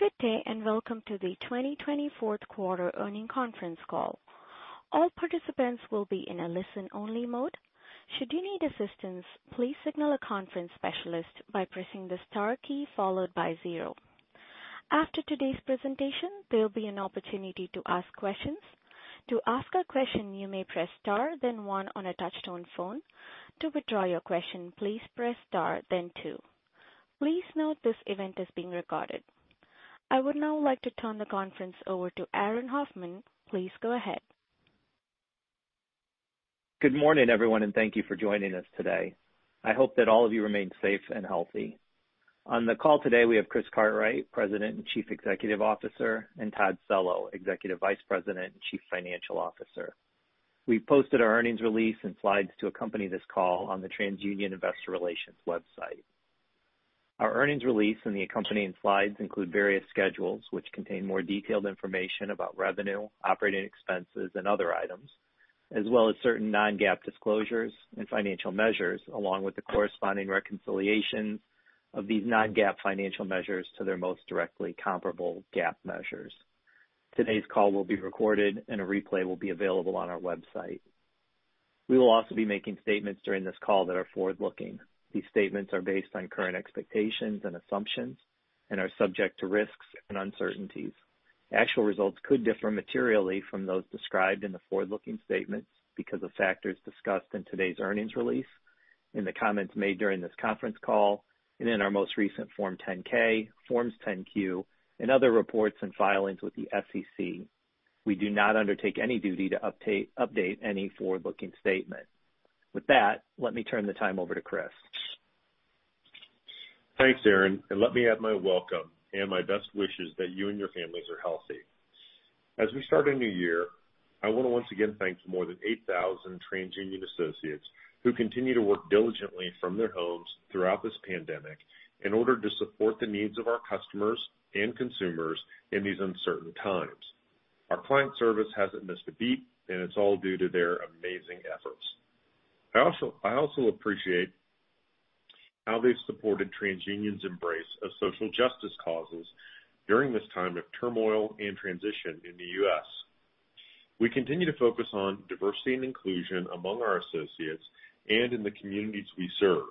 Good day and welcome to the 2020 fourth quarter earnings conference call. All participants will be in a listen-only mode. Should you need assistance, please signal a conference specialist by pressing the star key followed by zero. After today's presentation, there will be an opportunity to ask questions. To ask a question, you may press star, then one on a touch-tone phone. To withdraw your question, please press star, then two. Please note this event is being recorded. I would now like to turn the conference over to Aaron Hoffman. Please go ahead. Good morning, everyone, and thank you for joining us today. I hope that all of you remain safe and healthy. On the call today, we have Chris Cartwright, President and Chief Executive Officer, and Todd Cello, Executive Vice President and Chief Financial Officer. We posted our earnings release and slides to accompany this call on the TransUnion Investor Relations website. Our earnings release and the accompanying slides include various schedules which contain more detailed information about revenue, operating expenses, and other items, as well as certain non-GAAP disclosures and financial measures, along with the corresponding reconciliations of these non-GAAP financial measures to their most directly comparable GAAP measures. Today's call will be recorded, and a replay will be available on our website. We will also be making statements during this call that are forward-looking. These statements are based on current expectations and assumptions and are subject to risks and uncertainties. Actual results could differ materially from those described in the forward-looking statements because of factors discussed in today's earnings release, in the comments made during this conference call, and in our most recent Form 10-K, Forms 10-Q, and other reports and filings with the SEC. We do not undertake any duty to update any forward-looking statement. With that, let me turn the time over to Chris. Thanks, Aaron. And let me add my welcome and my best wishes that you and your families are healthy. As we start a new year, I want to once again thank the more than 8,000 TransUnion associates who continue to work diligently from their homes throughout this pandemic in order to support the needs of our customers and consumers in these uncertain times. Our client service hasn't missed a beat, and it's all due to their amazing efforts. I also appreciate how they've supported TransUnion's embrace of social justice causes during this time of turmoil and transition in the U.S. We continue to focus on diversity and inclusion among our associates and in the communities we serve.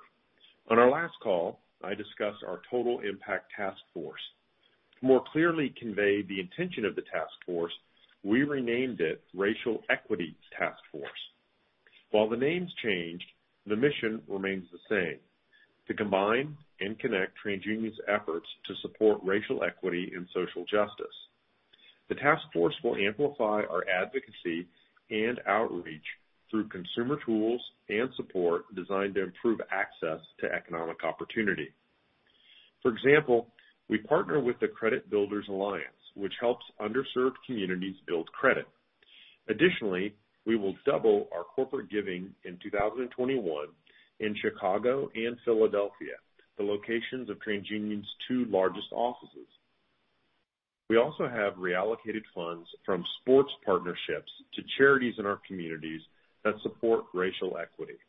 On our last call, I discussed our Total Impact Task Force. To more clearly convey the intention of the task force, we renamed it Racial Equity Task Force. While the name's changed, the mission remains the same: to combine and connect TransUnion's efforts to support racial equity and social justice. The task force will amplify our advocacy and outreach through consumer tools and support designed to improve access to economic opportunity. For example, we partner with the Credit Builders Alliance, which helps underserved communities build credit. Additionally, we will double our corporate giving in 2021 in Chicago and Philadelphia, the locations of TransUnion's two largest offices. We also have reallocated funds from sports partnerships to charities in our communities that support racial equity.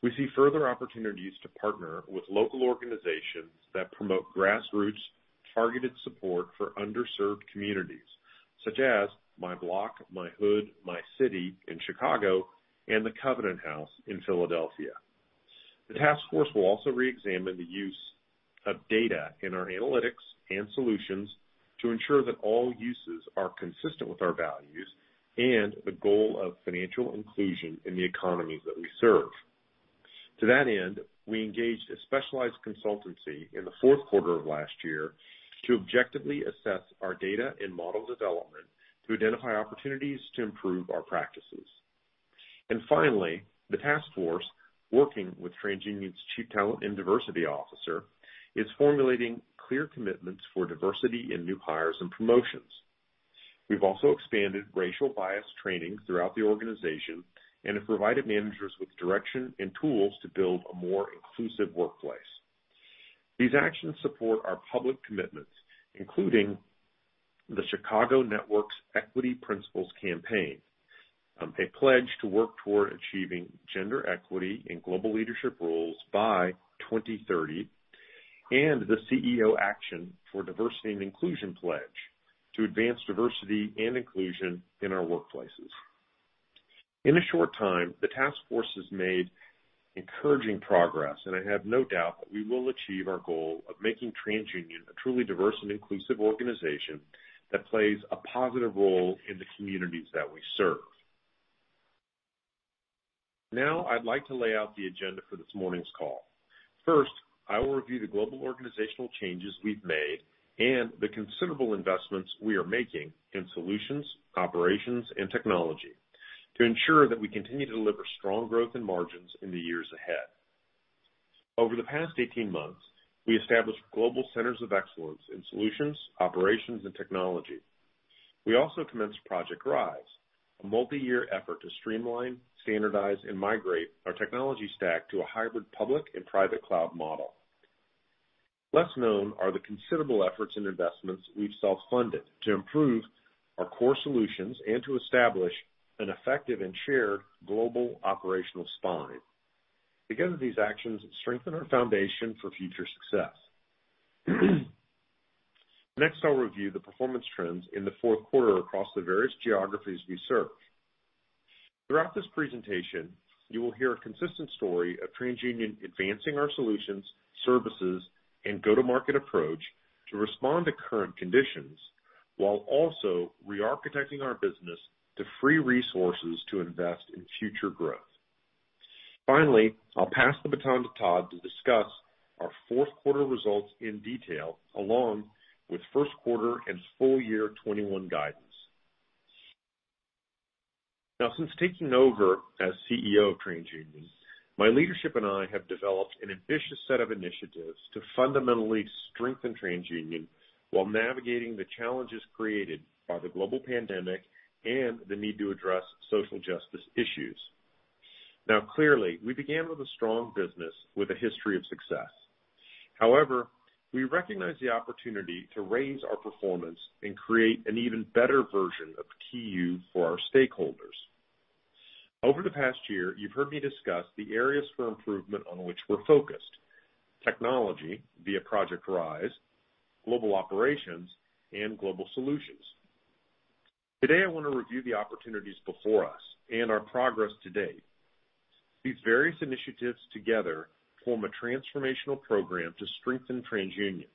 We see further opportunities to partner with local organizations that promote grassroots targeted support for underserved communities, such as My Block, My Hood, My City in Chicago, and the Covenant House in Philadelphia. The task force will also re-examine the use of data in our analytics and solutions to ensure that all uses are consistent with our values and the goal of financial inclusion in the economies that we serve. To that end, we engaged a specialized consultancy in the fourth quarter of last year to objectively assess our data and model development to identify opportunities to improve our practices. And finally, the task force, working with TransUnion's Chief Talent and Diversity Officer, is formulating clear commitments for diversity in new hires and promotions. We've also expanded racial bias training throughout the organization and have provided managers with direction and tools to build a more inclusive workplace. These actions support our public commitments, including the Chicago Network's Equity Principles Campaign, a pledge to work toward achieving gender equity in global leadership roles by 2030, and the CEO Action for Diversity and Inclusion pledge to advance diversity and inclusion in our workplaces. In a short time, the task force has made encouraging progress, and I have no doubt that we will achieve our goal of making TransUnion a truly diverse and inclusive organization that plays a positive role in the communities that we serve. Now, I'd like to lay out the agenda for this morning's call. First, I will review the global organizational changes we've made and the considerable investments we are making in solutions, operations, and technology to ensure that we continue to deliver strong growth in margins in the years ahead. Over the past 18 months, we established global centers of excellence in solutions, operations, and technology. We also commenced Project Rise, a multi-year effort to streamline, standardize, and migrate our technology stack to a hybrid public and private cloud model. Less known are the considerable efforts and investments we've self-funded to improve our core solutions and to establish an effective and shared global operational spine. Together, these actions strengthen our foundation for future success. Next, I'll review the performance trends in the fourth quarter across the various geographies we serve. Throughout this presentation, you will hear a consistent story of TransUnion advancing our solutions, services, and go-to-market approach to respond to current conditions while also re-architecting our business to free resources to invest in future growth. Finally, I'll pass the baton to Todd to discuss our fourth quarter results in detail along with first quarter and full year 2021 guidance. Now, since taking over as CEO of TransUnion, my leadership and I have developed an ambitious set of initiatives to fundamentally strengthen TransUnion while navigating the challenges created by the global pandemic and the need to address social justice issues. Now, clearly, we began with a strong business with a history of success. However, we recognize the opportunity to raise our performance and create an even better version of the key use for our stakeholders. Over the past year, you have heard me discuss the areas for improvement on which we are focused: technology via Project Rise, Global Operations, and Global Solutions. Today, I want to review the opportunities before us and our progress to date. These various initiatives together form a transformational program to strengthen TransUnion.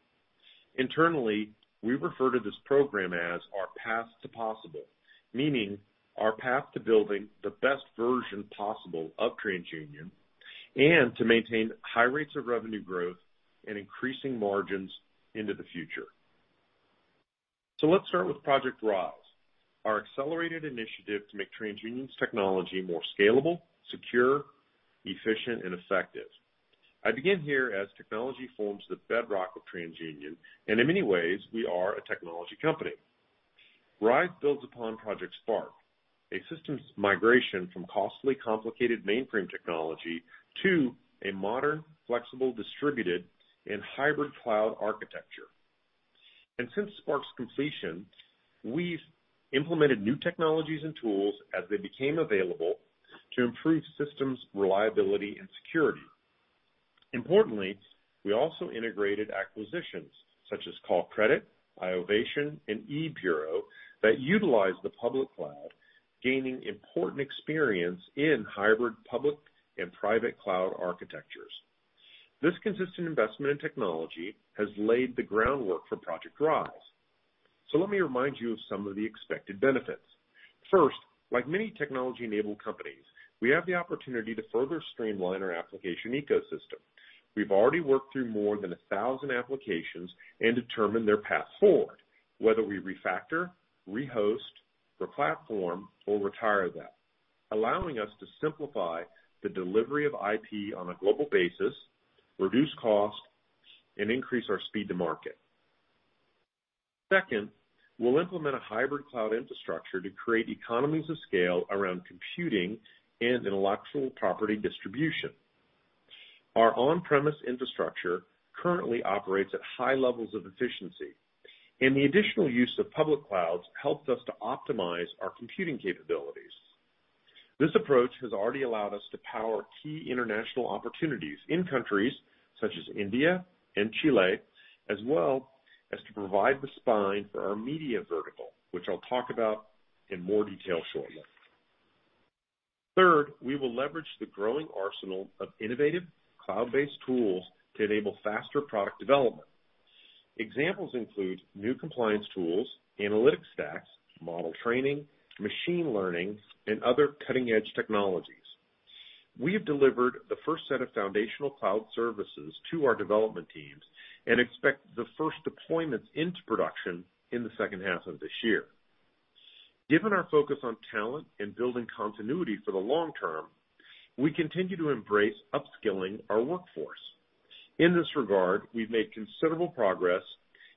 Internally, we refer to this program as our path to possible, meaning our path to building the best version possible of TransUnion and to maintain high rates of revenue growth and increasing margins into the future. So let's start with Project Rise, our accelerated initiative to make TransUnion's technology more scalable, secure, efficient, and effective. I begin here as technology forms the bedrock of TransUnion, and in many ways, we are a technology company. Rise builds upon Project Spark, a systems migration from costly, complicated mainframe technology to a modern, flexible, distributed, and hybrid cloud architecture. And since Spark's completion, we've implemented new technologies and tools as they became available to improve systems reliability and security. Importantly, we also integrated acquisitions such as Callcredit, iovation, and eBureau that utilize the public cloud, gaining important experience in hybrid public and private cloud architectures. This consistent investment in technology has laid the groundwork for Project Rise. So let me remind you of some of the expected benefits. First, like many technology-enabled companies, we have the opportunity to further streamline our application ecosystem. We've already worked through more than 1,000 applications and determined their path forward, whether we refactor, rehost, replatform, or retire them, allowing us to simplify the delivery of IP on a global basis, reduce cost, and increase our speed to market. Second, we'll implement a hybrid cloud infrastructure to create economies of scale around computing and intellectual property distribution. Our on-premise infrastructure currently operates at high levels of efficiency, and the additional use of public clouds helps us to optimize our computing capabilities. This approach has already allowed us to power key international opportunities in countries such as India and Chile, as well as to provide the spine for our Media vertical, which I'll talk about in more detail shortly. Third, we will leverage the growing arsenal of innovative cloud-based tools to enable faster product development. Examples include new compliance tools, analytics stacks, model training, machine learning, and other cutting-edge technologies. We have delivered the first set of foundational cloud services to our development teams and expect the first deployments into production in the second half of this year. Given our focus on talent and building continuity for the long term, we continue to embrace upskilling our workforce. In this regard, we've made considerable progress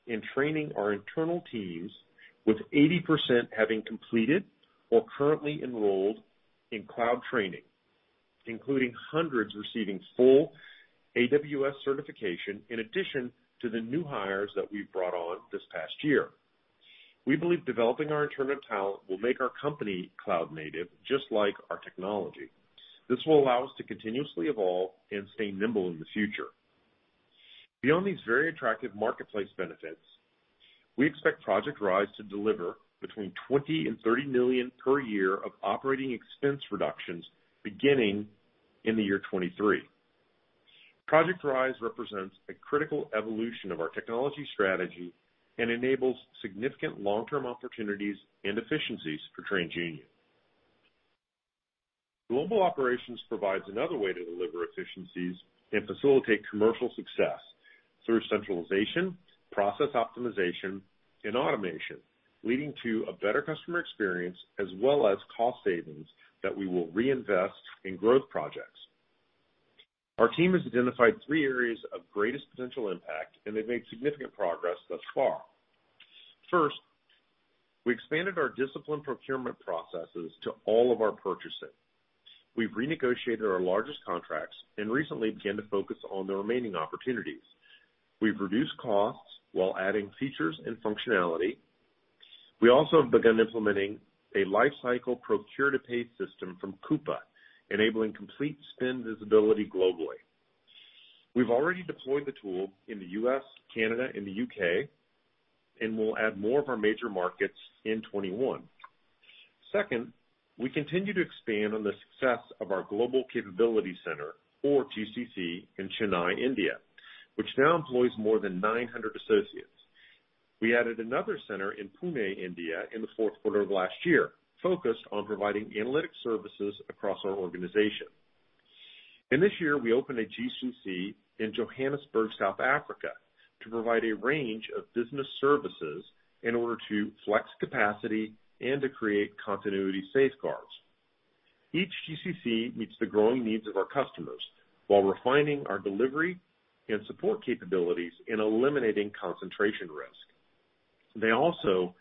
in training our internal teams, with 80% having completed or currently enrolled in cloud training, including hundreds receiving full AWS certification in addition to the new hires that we've brought on this past year. We believe developing our internal talent will make our company cloud-native, just like our technology. This will allow us to continuously evolve and stay nimble in the future. Beyond these very attractive marketplace benefits, we expect Project Rise to deliver between $20 million and $30 million per year of operating expense reductions beginning in the year 2023. Project Rise represents a critical evolution of our technology strategy and enables significant long-term opportunities and efficiencies for TransUnion. Global Operations provides another way to deliver efficiencies and facilitate commercial success through centralization, process optimization, and automation, leading to a better customer experience as well as cost savings that we will reinvest in growth projects. Our team has identified three areas of greatest potential impact, and they've made significant progress thus far. First, we expanded our disciplined procurement processes to all of our purchasing. We've renegotiated our largest contracts and recently began to focus on the remaining opportunities. We've reduced costs while adding features and functionality. We also have begun implementing a lifecycle procure-to-pay system from Coupa, enabling complete spend visibility globally. We've already deployed the tool in the U.S., Canada, and the U.K., and we'll add more of our major markets in 2021. Second, we continue to expand on the success of our Global Capability Center, or GCC, in Chennai, India, which now employs more than 900 associates. We added another center in Pune, India, in the fourth quarter of last year, focused on providing analytic services across our organization. This year, we opened a GCC in Johannesburg, South Africa, to provide a range of business services in order to flex capacity and to create continuity safeguards. Each GCC meets the growing needs of our customers while refining our delivery and support capabilities and eliminating concentration risk. They also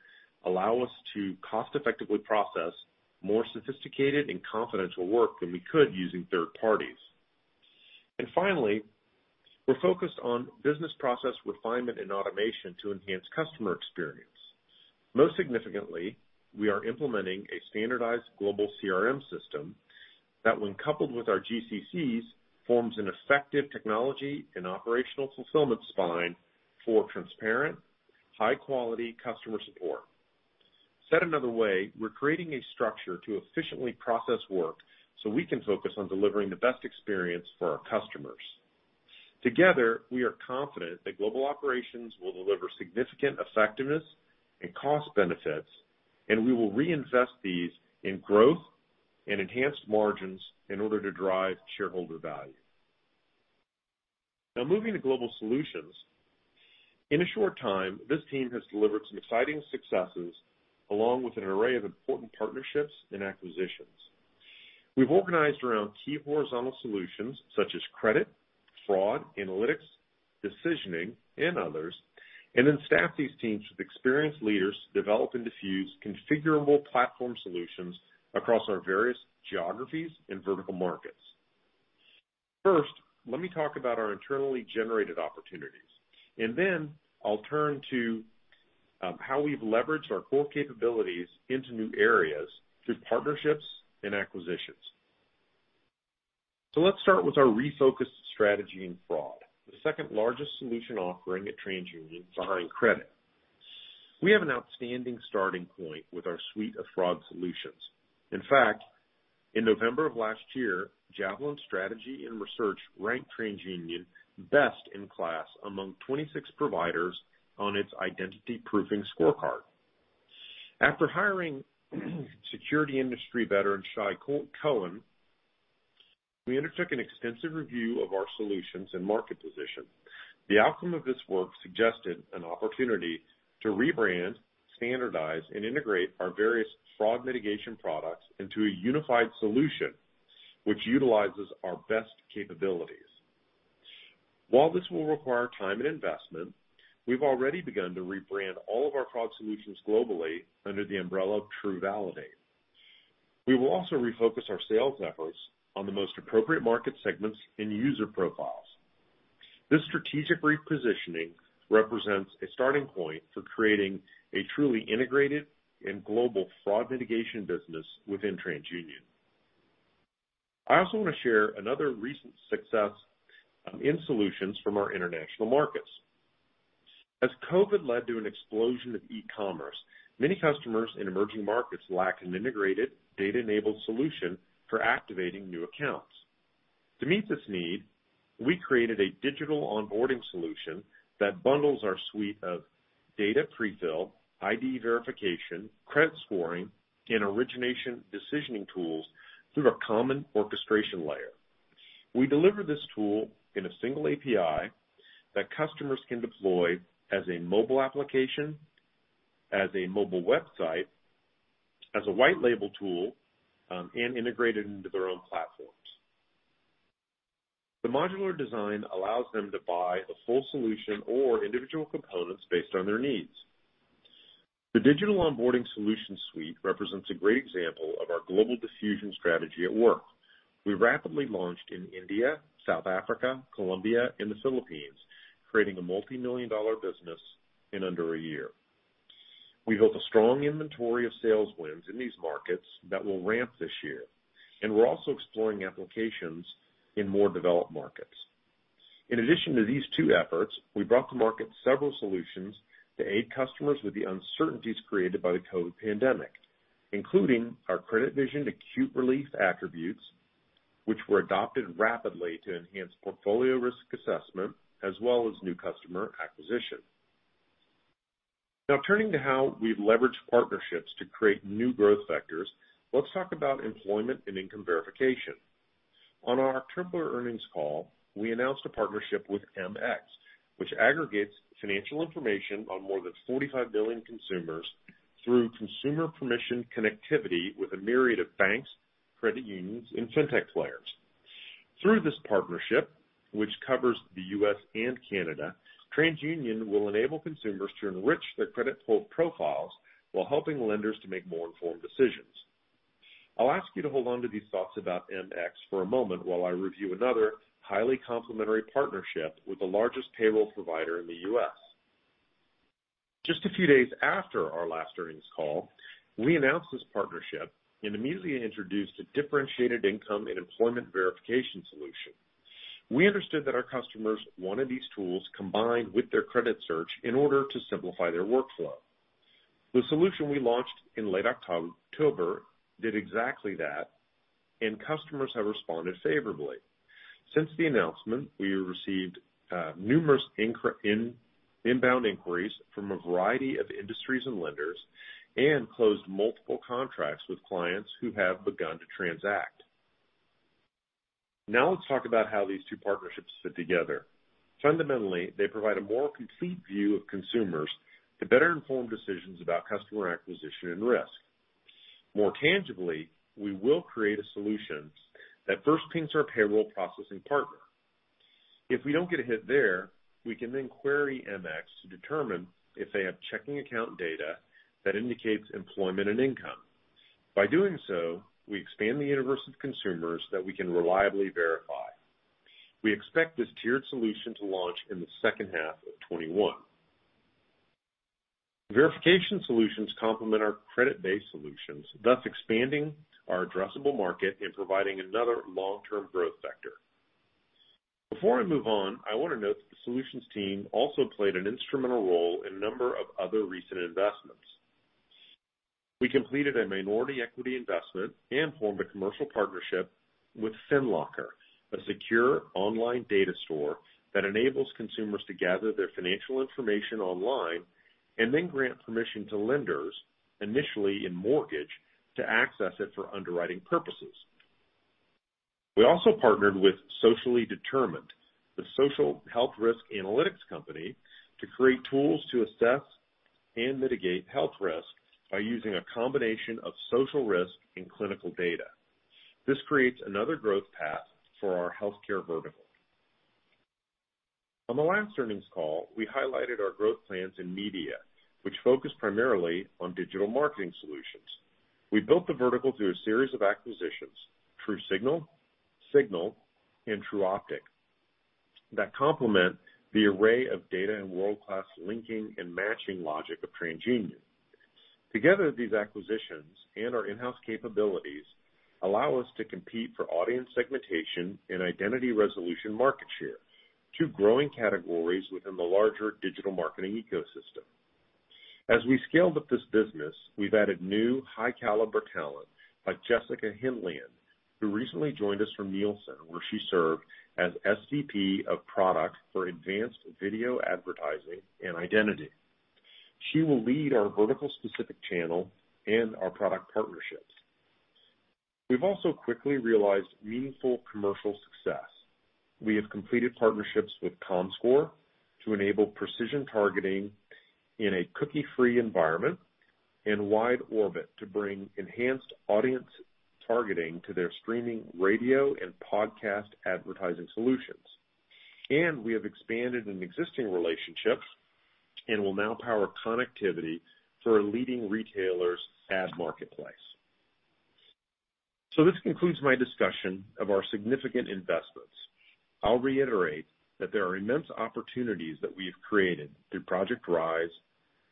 allow us to cost-effectively process more sophisticated and confidential work than we could using third parties. Finally, we're focused on business process refinement and automation to enhance customer experience. Most significantly, we are implementing a standardized global CRM system that, when coupled with our GCCs, forms an effective technology and operational fulfillment spine for transparent, high-quality customer support. Said another way, we're creating a structure to efficiently process work so we can focus on delivering the best experience for our customers. Together, we are confident that Global Operations will deliver significant effectiveness and cost benefits, and we will reinvest these in growth and enhanced margins in order to drive shareholder value. Now, moving to Global Solutions, in a short time, this team has delivered some exciting successes along with an array of important partnerships and acquisitions. We've organized around key horizontal solutions such as credit, fraud, analytics, decisioning, and others, and then staffed these teams with experienced leaders to develop and diffuse configurable platform solutions across our various geographies and vertical markets. First, let me talk about our internally generated opportunities, and then I'll turn to how we've leveraged our core capabilities into new areas through partnerships and acquisitions. So let's start with our refocused strategy in fraud, the second largest solution offering at TransUnion behind credit. We have an outstanding starting point with our suite of fraud solutions. In fact, in November of last year, Javelin Strategy and Research ranked TransUnion best in class among 26 providers on its identity-proofing scorecard. After hiring security industry veteran Shai Cohen, we undertook an extensive review of our solutions and market position. The outcome of this work suggested an opportunity to rebrand, standardize, and integrate our various fraud mitigation products into a unified solution which utilizes our best capabilities. While this will require time and investment, we've already begun to rebrand all of our fraud solutions globally under the umbrella of TruValidate. We will also refocus our sales efforts on the most appropriate market segments and user profiles. This strategic repositioning represents a starting point for creating a truly integrated and global fraud mitigation business within TransUnion. I also want to share another recent success in solutions from our international markets. As COVID led to an explosion of e-commerce, many customers in emerging markets lack an integrated data-enabled solution for activating new accounts. To meet this need, we created a digital onboarding solution that bundles our suite of data prefill, ID verification, credit scoring, and origination decisioning tools through a common orchestration layer. We deliver this tool in a single API that customers can deploy as a mobile application, as a mobile website, as a white-label tool, and integrated into their own platforms. The modular design allows them to buy the full solution or individual components based on their needs. The digital onboarding solution suite represents a great example of our global diffusion strategy at work. We rapidly launched in India, South Africa, Colombia, and the Philippines, creating a multi-million-dollar business in under a year. We built a strong inventory of sales wins in these markets that will ramp this year, and we're also exploring applications in more developed markets. In addition to these two efforts, we brought to market several solutions to aid customers with the uncertainties created by the COVID pandemic, including our CreditVision Acute Relief attributes, which were adopted rapidly to enhance portfolio risk assessment as well as new customer acquisition. Now, turning to how we've leveraged partnerships to create new growth vectors, let's talk about employment and income verification. On our October earnings call, we announced a partnership with MX, which aggregates financial information on more than 45 million consumers through consumer permission connectivity with a myriad of banks, credit unions, and fintech players. Through this partnership, which covers the U.S. and Canada, TransUnion will enable consumers to enrich their credit profiles while helping lenders to make more informed decisions. I'll ask you to hold on to these thoughts about MX for a moment while I review another highly complementary partnership with the largest payroll provider in the U.S. Just a few days after our last earnings call, we announced this partnership and imMediately introduced a differentiated income and employment verification solution. We understood that our customers wanted these tools combined with their credit search in order to simplify their workflow. The solution we launched in late October did exactly that, and customers have responded favorably. Since the announcement, we received numerous inbound inquiries from a variety of industries and lenders and closed multiple contracts with clients who have begun to transact. Now, let's talk about how these two partnerships fit together. Fundamentally, they provide a more complete view of consumers to better inform decisions about customer acquisition and risk. More tangibly, we will create a solution that first pings our payroll processing partner. If we don't get a hit there, we can then query MX to determine if they have checking account data that indicates employment and income. By doing so, we expand the universe of consumers that we can reliably verify. We expect this tiered solution to launch in the second half of 2021. Verification solutions complement our credit-based solutions, thus expanding our addressable market and providing another long-term growth vector. Before I move on, I want to note that the solutions team also played an instrumental role in a number of other recent investments. We completed a minority equity investment and formed a commercial partnership with FinLocker, a secure online data store that enables consumers to gather their financial information online and then grant permission to lenders, initially in mortgage, to access it for underwriting purposes. We also partnered with Socially Determined, the social health risk analytics company, to create tools to assess and mitigate health risk by using a combination of social risk and clinical data. This creates another growth path for our Healthcare vertical. On the last earnings call, we highlighted our growth plans in Media, which focused primarily on digital marketing solutions. We built the vertical through a series of acquisitions: TruSignal, Signal, and Tru Optik that complement the array of data and world-class linking and matching logic of TransUnion. Together, these acquisitions and our in-house capabilities allow us to compete for audience segmentation and identity resolution market share to growing categories within the larger digital marketing ecosystem. As we scale up this business, we've added new high-caliber talent like Jessica Heinlein, who recently joined us from Nielsen, where she served as SVP of product for advanced video advertising and identity. She will lead our vertical-specific channel and our product partnerships. We've also quickly realized meaningful commercial success. We have completed partnerships with Comscore to enable precision targeting in a cookie-free environment and WideOrbit to bring enhanced audience targeting to their streaming radio and podcast advertising solutions. And we have expanded an existing relationship and will now power connectivity for a leading retailer's ad marketplace. So this concludes my discussion of our significant investments. I'll reiterate that there are immense opportunities that we have created through Project Rise,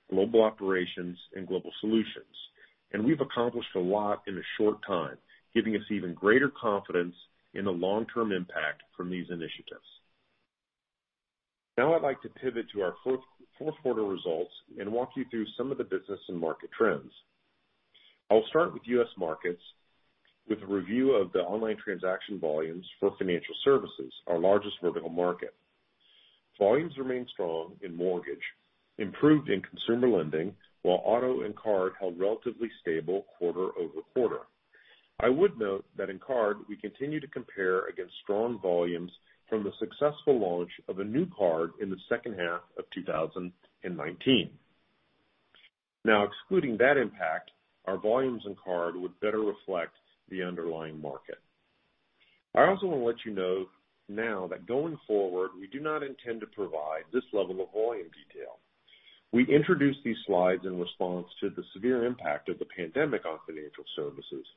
Global Operations, and Global Solutions. And we've accomplished a lot in a short time, giving us even greater confidence in the long-term impact from these initiatives. Now, I'd like to pivot to our fourth quarter results and walk you through some of the business and market trends. I'll start with U.S. Markets with a review of the online transaction volumes for Financial Services, our largest vertical market. Volumes remain strong in mortgage, improved in consumer lending, while auto and card held relatively stable quarter-over-quarter. I would note that in card, we continue to compare against strong volumes from the successful launch of a new card in the second half of 2019. Now, excluding that impact, our volumes in card would better reflect the underlying market. I also want to let you know now that going forward, we do not intend to provide this level of volume detail. We introduced these slides in response to the severe impact of the pandemic on Financial Services.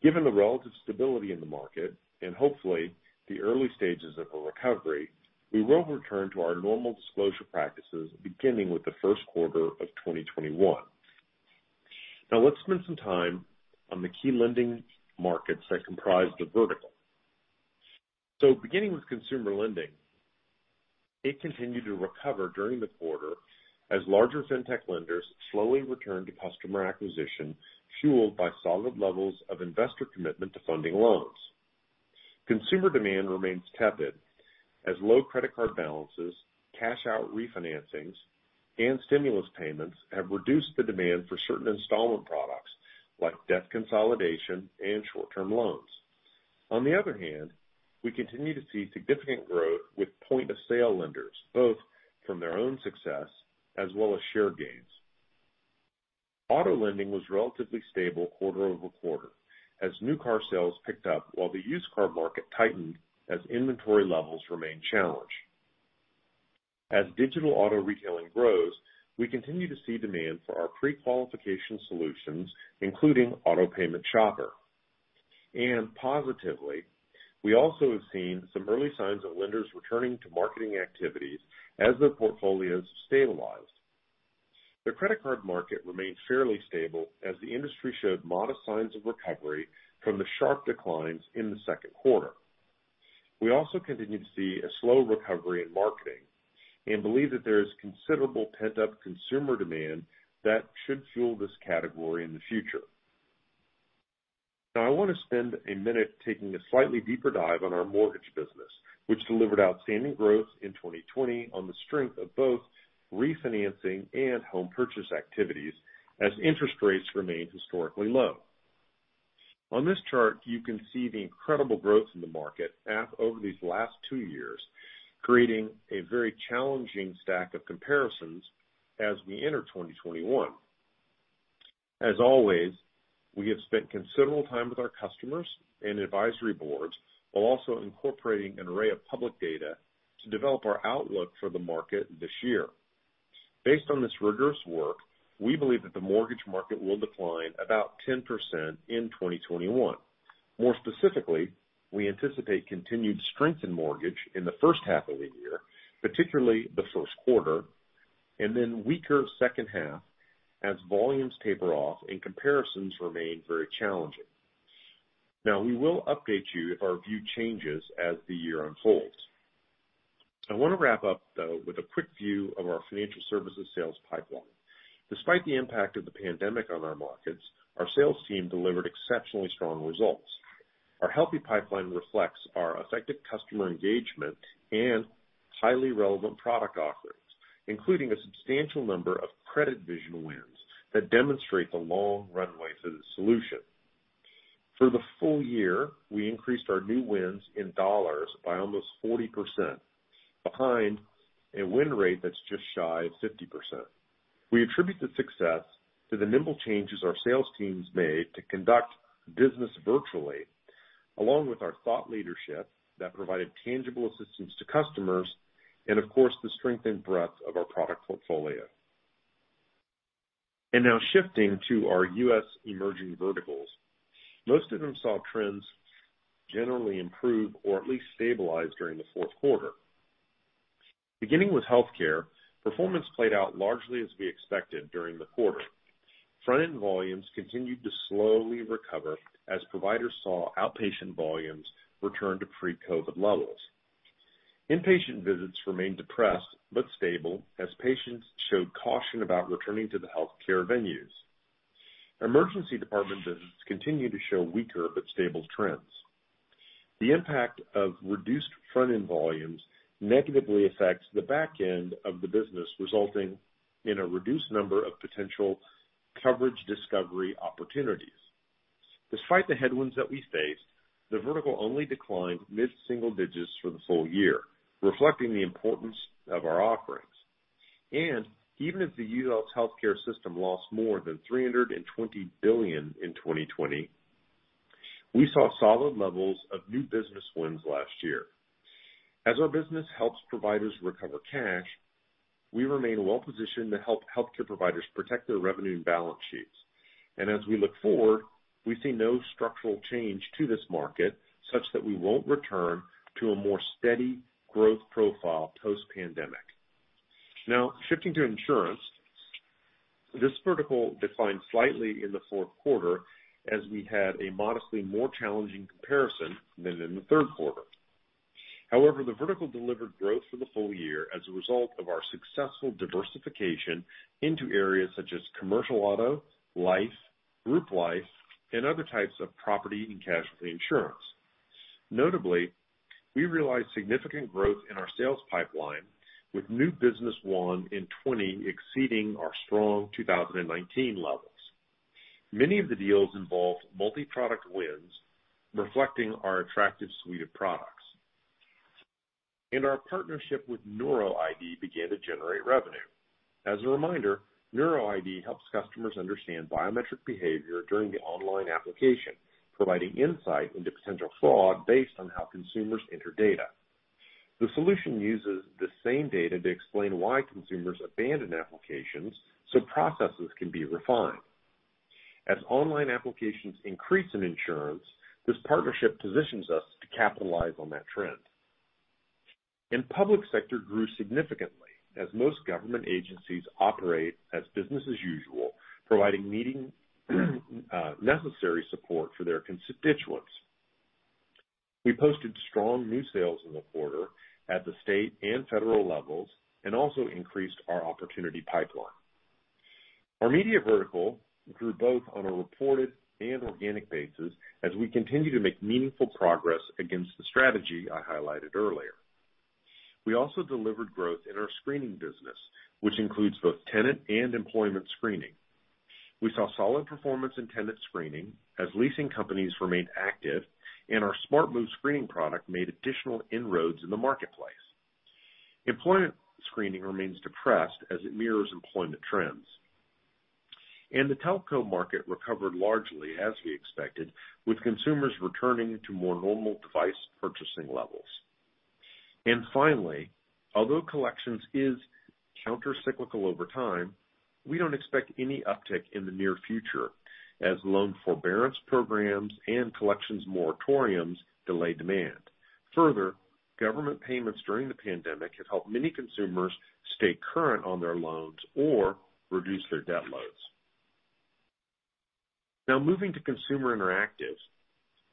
Given the relative stability in the market and hopefully the early stages of a recovery, we will return to our normal disclosure practices beginning with the first quarter of 2021. Now, let's spend some time on the key lending markets that comprise the vertical. So beginning with consumer lending, it continued to recover during the quarter as larger fintech lenders slowly returned to customer acquisition fueled by solid levels of investor commitment to funding loans. Consumer demand remains tepid as low credit card balances, cash-out refinancings, and stimulus payments have reduced the demand for certain installment products like debt consolidation and short-term loans. On the other hand, we continue to see significant growth with point-of-sale lenders, both from their own success as well as share gains. Auto lending was relatively stable quarter-over-quarter as new car sales picked up while the used car market tightened as inventory levels remained challenged. As digital auto retailing grows, we continue to see demand for our pre-qualification solutions, including Auto Payment Shopper, and positively, we also have seen some early signs of lenders returning to marketing activities as their portfolios stabilized. The credit card market remained fairly stable as the industry showed modest signs of recovery from the sharp declines in the second quarter. We also continue to see a slow recovery in marketing and believe that there is considerable pent-up consumer demand that should fuel this category in the future. Now, I want to spend a minute taking a slightly deeper dive on our mortgage business, which delivered outstanding growth in 2020 on the strength of both refinancing and home purchase activities as interest rates remained historically low. On this chart, you can see the incredible growth in the market over these last two years, creating a very challenging stack of comparisons as we enter 2021. As always, we have spent considerable time with our customers and advisory boards while also incorporating an array of public data to develop our outlook for the market this year. Based on this rigorous work, we believe that the mortgage market will decline about 10% in 2021. More specifically, we anticipate continued strength in mortgage in the first half of the year, particularly the first quarter, and then weaker second half as volumes taper off and comparisons remain very challenging. Now, we will update you if our view changes as the year unfolds. I want to wrap up, though, with a quick view of our Financial Services sales pipeline. Despite the impact of the pandemic on our markets, our sales team delivered exceptionally strong results. Our healthy pipeline reflects our effective customer engagement and highly relevant product offerings, including a substantial number of CreditVision wins that demonstrate the long runway for the solution. For the full year, we increased our new wins in dollars by almost 40%, behind a win rate that's just shy of 50%. We attribute the success to the nimble changes our sales teams made to conduct business virtually, along with our thought leadership that provided tangible assistance to customers, and of course, the strength and breadth of our product portfolio. And now, shifting to our U.S. Emerging Verticals, most of them saw trends generally improve or at least stabilize during the fourth quarter. Beginning with Healthcare, performance played out largely as we expected during the quarter. Front-end volumes continued to slowly recover as providers saw outpatient volumes return to pre-COVID levels. Inpatient visits remained depressed but stable as patients showed caution about returning to the Healthcare venues. Emergency department visits continued to show weaker but stable trends. The impact of reduced front-end volumes negatively affects the back end of the business, resulting in a reduced number of potential coverage discovery opportunities. Despite the headwinds that we faced, the vertical only declined mid-single digits for the full year, reflecting the importance of our offerings. And even if the U.S. Healthcare system lost more than $320 billion in 2020, we saw solid levels of new business wins last year. As our business helps providers recover cash, we remain well-positioned to help Healthcare providers protect their revenue and balance sheets, and as we look forward, we see no structural change to this market such that we won't return to a more steady growth profile post-pandemic. Now, shifting to Insurance, this vertical declined slightly in the fourth quarter as we had a modestly more challenging comparison than in the third quarter. However, the vertical delivered growth for the full year as a result of our successful diversification into areas such as commercial auto, life, group life, and other types of property and casualty Insurance. Notably, we realized significant growth in our sales pipeline, with new business won in 2020 exceeding our strong 2019 levels. Many of the deals involved multi-product wins, reflecting our attractive suite of products, and our partnership with NeuroID began to generate revenue. As a reminder, NeuroID helps customers understand biometric behavior during the online application, providing insight into potential fraud based on how consumers enter data. The solution uses the same data to explain why consumers abandon applications so processes can be refined. As online applications increase in Insurance, this partnership positions us to capitalize on that trend, and Public Sector grew significantly as most government agencies operate as business as usual, providing necessary support for their constituents. We posted strong new sales in the quarter at the state and federal levels and also increased our opportunity pipeline. Our Media vertical grew both on a reported and organic basis as we continue to make meaningful progress against the strategy I highlighted earlier. We also delivered growth in our screening business, which includes both tenant and employment screening. We saw solid performance in tenant screening as leasing companies remained active, and our SmartMove screening product made additional inroads in the marketplace. Employment screening remains depressed as it mirrors employment trends. And the telco market recovered largely as we expected, with consumers returning to more normal device purchasing levels. And finally, although collections is countercyclical over time, we don't expect any uptick in the near future as loan forbearance programs and collections moratoriums delay demand. Further, government payments during the pandemic have helped many consumers stay current on their loans or reduce their debt loads. Now, moving to Consumer Interactives,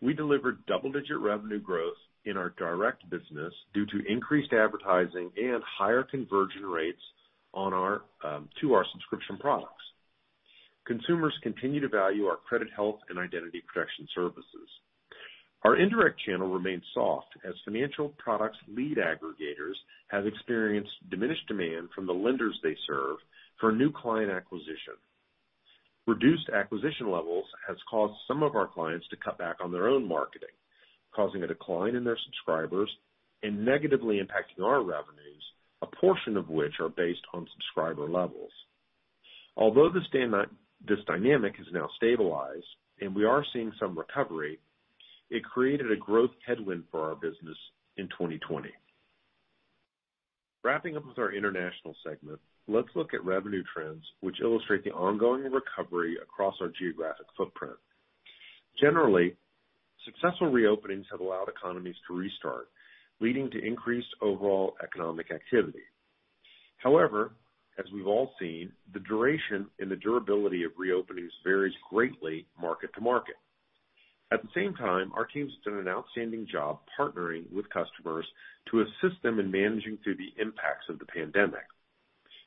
we delivered double-digit revenue growth in our direct business due to increased advertising and higher conversion rates to our subscription products. Consumers continue to value our credit health and identity protection services. Our indirect channel remains soft as financial products' lead aggregators have experienced diminished demand from the lenders they serve for new client acquisition. Reduced acquisition levels have caused some of our clients to cut back on their own marketing, causing a decline in their subscribers and negatively impacting our revenues, a portion of which are based on subscriber levels. Although this dynamic has now stabilized and we are seeing some recovery, it created a growth headwind for our business in 2020. Wrapping up with our International segment, let's look at revenue trends, which illustrate the ongoing recovery across our geographic footprint. Generally, successful reopenings have allowed economies to restart, leading to increased overall economic activity. However, as we've all seen, the duration and the durability of reopenings varies greatly market to market. At the same time, our teams have done an outstanding job partnering with customers to assist them in managing through the impacts of the pandemic.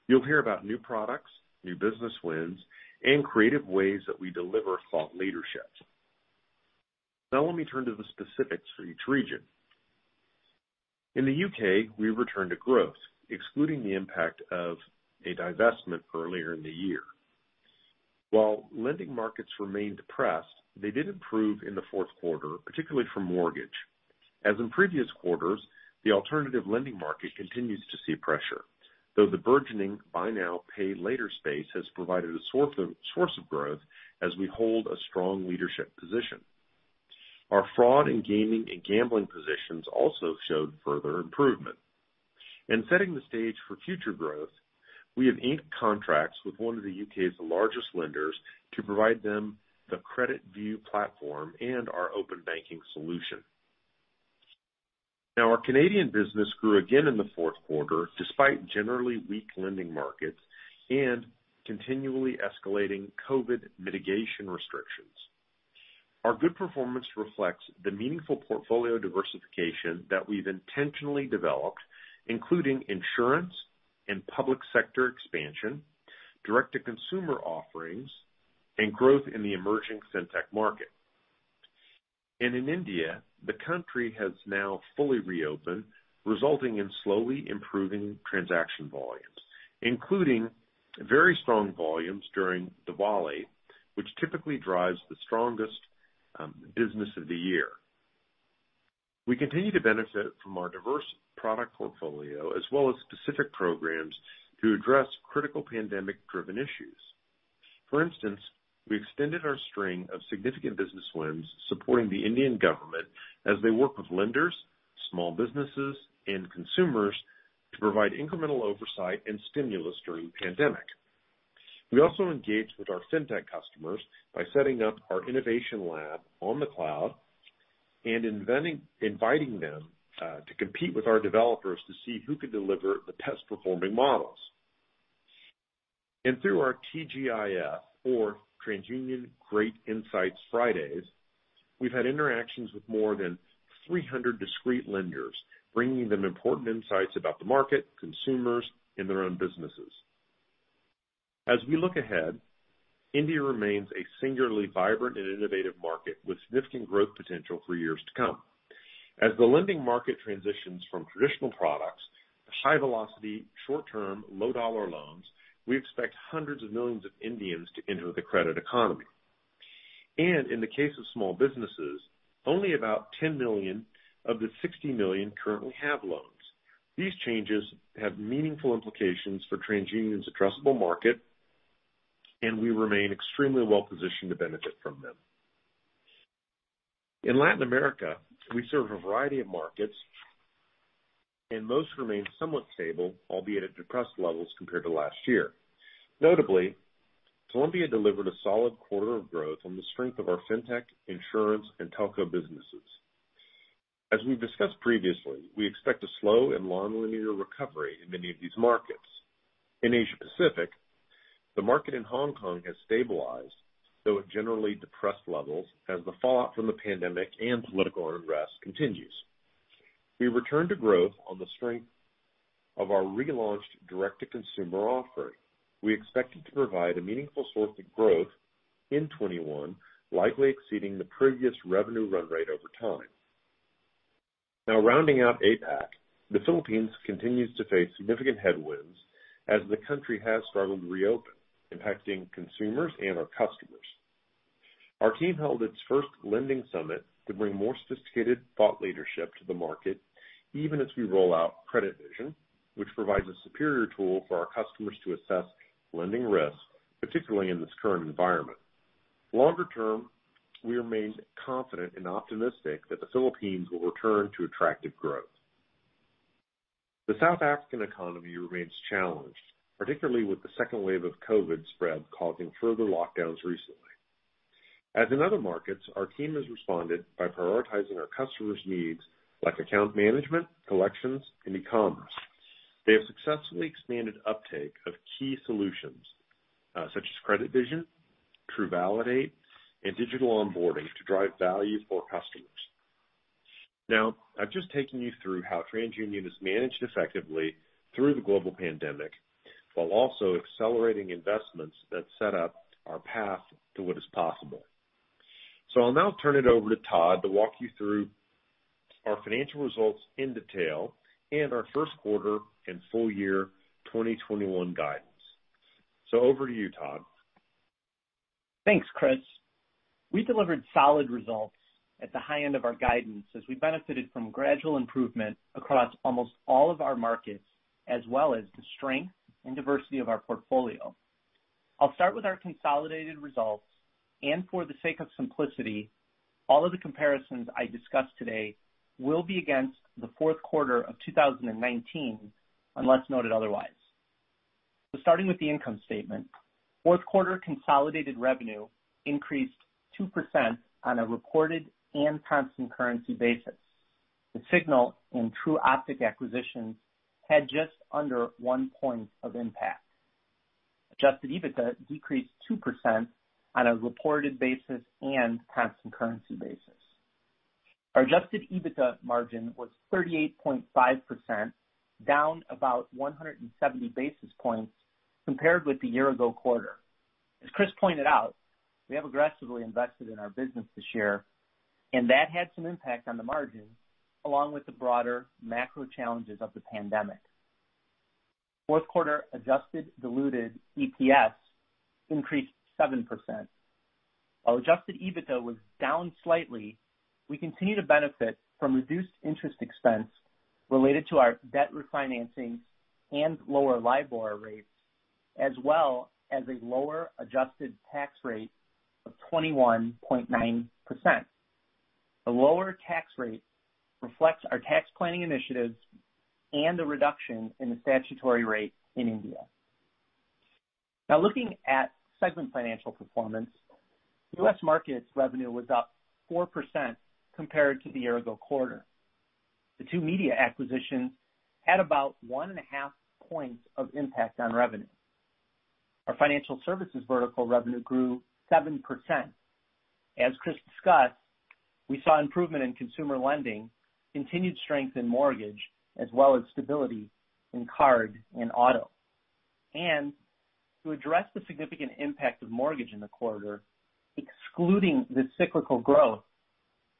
You'll hear about new products, new business wins, and creative ways that we deliver thought leadership. Now, let me turn to the specifics for each region. In the U.K., we returned to growth, excluding the impact of a divestment earlier in the year. While lending markets remained depressed, they did improve in the fourth quarter, particularly for mortgage. As in previous quarters, the alternative lending market continues to see pressure, though the burgeoning Buy-Now-Pay-Later space has provided a source of growth as we hold a strong leadership position. Our fraud and gambling positions also showed further improvement. Setting the stage for future growth, we have inked contracts with one of the U.K.'s largest lenders to provide them the CreditView platform and our open banking solution. Now, our Canadian business grew again in the fourth quarter despite generally weak lending markets and continually escalating COVID mitigation restrictions. Our good performance reflects the meaningful portfolio diversification that we've intentionally developed, including Insurance and Public Sector expansion, direct-to-consumer offerings, and growth in the emerging fintech market. In India, the country has now fully reopened, resulting in slowly improving transaction volumes, including very strong volumes during Diwali, which typically drives the strongest business of the year. We continue to benefit from our diverse product portfolio as well as specific programs to address critical pandemic-driven issues. For instance, we extended our string of significant business wins supporting the Indian government as they work with lenders, small businesses, and consumers to provide incremental oversight and stimulus during the pandemic. We also engaged with our fintech customers by setting up our innovation lab on the cloud and inviting them to compete with our developers to see who could deliver the best-performing models. And through our TGIF, or TransUnion Great Insights Fridays, we've had interactions with more than 300 discrete lenders, bringing them important insights about the market, consumers, and their own businesses. As we look ahead, India remains a singularly vibrant and innovative market with significant growth potential for years to come. As the lending market transitions from traditional products to high-velocity, short-term, low-dollar loans, we expect hundreds of millions of Indians to enter the credit economy. In the case of small businesses, only about 10 million of the 60 million currently have loans. These changes have meaningful implications for TransUnion's addressable market, and we remain extremely well-positioned to benefit from them. In Latin America, we serve a variety of markets, and most remain somewhat stable, albeit at depressed levels compared to last year. Notably, Colombia delivered a solid quarter of growth on the strength of our fintech, Insurance, and telco businesses. As we've discussed previously, we expect a slow and long-linear recovery in many of these markets. In Asia-Pacific, the market in Hong Kong has stabilized, though at generally depressed levels as the fallout from the pandemic and political unrest continues. We returned to growth on the strength of our relaunched direct-to-consumer offering. We expect it to provide a meaningful source of growth in 2021, likely exceeding the previous revenue run rate over time. Now, rounding out APAC, the Philippines continues to face significant headwinds as the country has struggled to reopen, impacting consumers and our customers. Our team held its first lending summit to bring more sophisticated thought leadership to the market, even as we roll out CreditVision, which provides a superior tool for our customers to assess lending risk, particularly in this current environment. Longer term, we remain confident and optimistic that the Philippines will return to attractive growth. The South African economy remains challenged, particularly with the second wave of COVID spread causing further lockdowns recently. As in other markets, our team has responded by prioritizing our customers' needs like account management, collections, and e-commerce. They have successfully expanded uptake of key solutions such as CreditVision, TruValidate, and digital onboarding to drive value for customers. Now, I've just taken you through how TransUnion has managed effectively through the global pandemic while also accelerating investments that set up our path to what is possible, so I'll now turn it over to Todd to walk you through our financial results in detail and our first quarter and full-year 2021 guidance, so over to you, Todd. Thanks, Chris. We delivered solid results at the high end of our guidance as we benefited from gradual improvement across almost all of our markets as well as the strength and diversity of our portfolio. I'll start with our consolidated results, and for the sake of simplicity, all of the comparisons I discuss today will be against the fourth quarter of 2019 unless noted otherwise, so starting with the income statement, fourth quarter consolidated revenue increased 2% on a reported and constant currency basis. The Signal and Tru Optik acquisitions had just under one point of impact. Adjusted EBITDA decreased 2% on a reported basis and constant currency basis. Our Adjusted EBITDA margin was 38.5%, down about 170 basis points compared with the year-ago quarter. As Chris pointed out, we have aggressively invested in our business this year, and that had some impact on the margin along with the broader macro challenges of the pandemic. Fourth quarter adjusted diluted EPS increased 7%. While adjusted EBITDA was down slightly, we continue to benefit from reduced interest expense related to our debt refinancings and lower LIBOR rates, as well as a lower adjusted tax rate of 21.9%. The lower tax rate reflects our tax planning initiatives and the reduction in the statutory rate in India. Now, looking at segment financial performance, U.S. Markets' revenue was up 4% compared to the year-ago quarter. The two Media acquisitions had about one and a half points of impact on revenue. Our Financial Services vertical revenue grew 7%. As Chris discussed, we saw improvement in consumer lending, continued strength in mortgage, as well as stability in card and auto, and to address the significant impact of mortgage in the quarter, excluding the cyclical growth,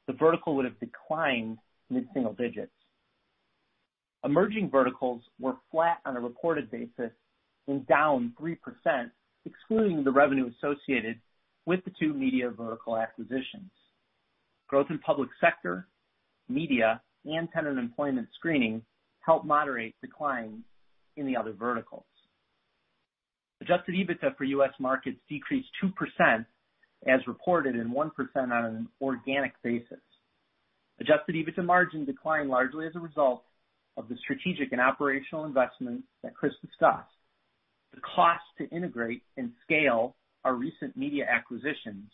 the vertical would have declined mid-single digits. Emerging Verticals were flat on a reported basis and down 3%, excluding the revenue associated with the two Media vertical acquisitions. Growth in Public Sector, Media, and tenant employment screening helped moderate declines in the other verticals. Adjusted EBITDA for U.S. Markets decreased 2%, as reported, and 1% on an organic basis. Adjusted EBITDA margin declined largely as a result of the strategic and operational investment that Chris discussed, the cost to integrate and scale our recent Media acquisitions,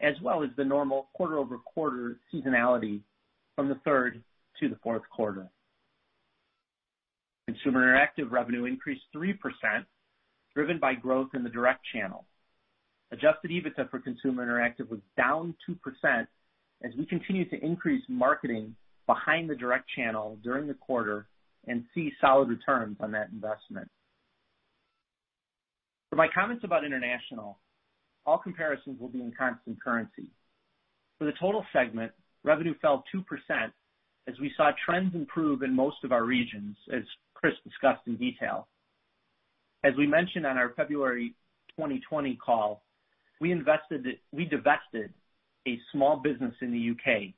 as well as the normal quarter-over-quarter seasonality from the third to the fourth quarter. Consumer Interactive revenue increased 3%, driven by growth in the direct channel. Adjusted EBITDA for Consumer Interactive was down 2% as we continue to increase marketing behind the direct channel during the quarter and see solid returns on that investment. For my comments about International, all comparisons will be in constant currency. For the total segment, revenue fell 2% as we saw trends improve in most of our regions, as Chris discussed in detail. As we mentioned on our February 2020 call, we divested a small business in the U.K.,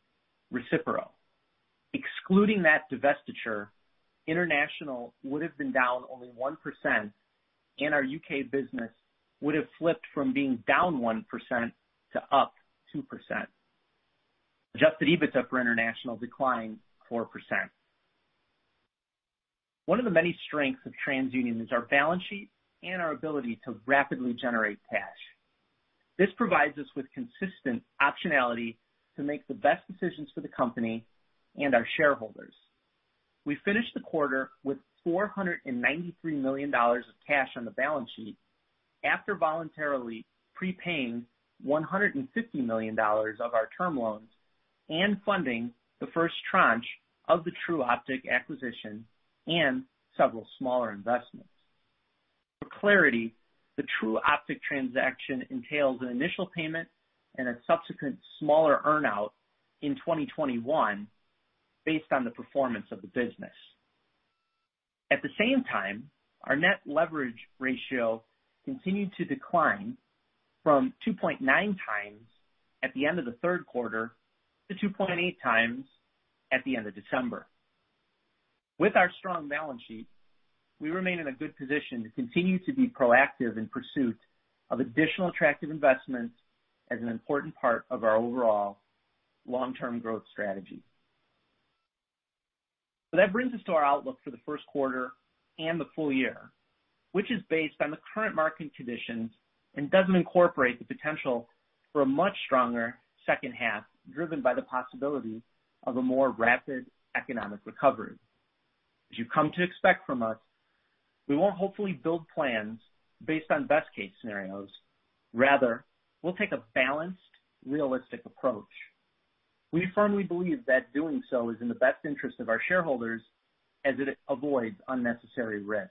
Recipero. Excluding that divestiture, international would have been down only 1%, and our U.K. business would have flipped from being down 1% to up 2%. Adjusted EBITDA for International declined 4%. One of the many strengths of TransUnion is our balance sheet and our ability to rapidly generate cash. This provides us with consistent optionality to make the best decisions for the company and our shareholders. We finished the quarter with $493 million of cash on the balance sheet after voluntarily prepaying $150 million of our term loans and funding the first tranche of the Tru Optik acquisition and several smaller investments. For clarity, the Tru Optik transaction entails an initial payment and a subsequent smaller earnout in 2021 based on the performance of the business. At the same time, our net leverage ratio continued to decline from 2.9x at the end of the third quarter to 2.8x at the end of December. With our strong balance sheet, we remain in a good position to continue to be proactive in pursuit of additional attractive investments as an important part of our overall long-term growth strategy. So that brings us to our outlook for the first quarter and the full year, which is based on the current market conditions and doesn't incorporate the potential for a much stronger second half driven by the possibility of a more rapid economic recovery. As you've come to expect from us, we won't hopefully build plans based on best-case scenarios. Rather, we'll take a balanced, realistic approach. We firmly believe that doing so is in the best interest of our shareholders as it avoids unnecessary risk.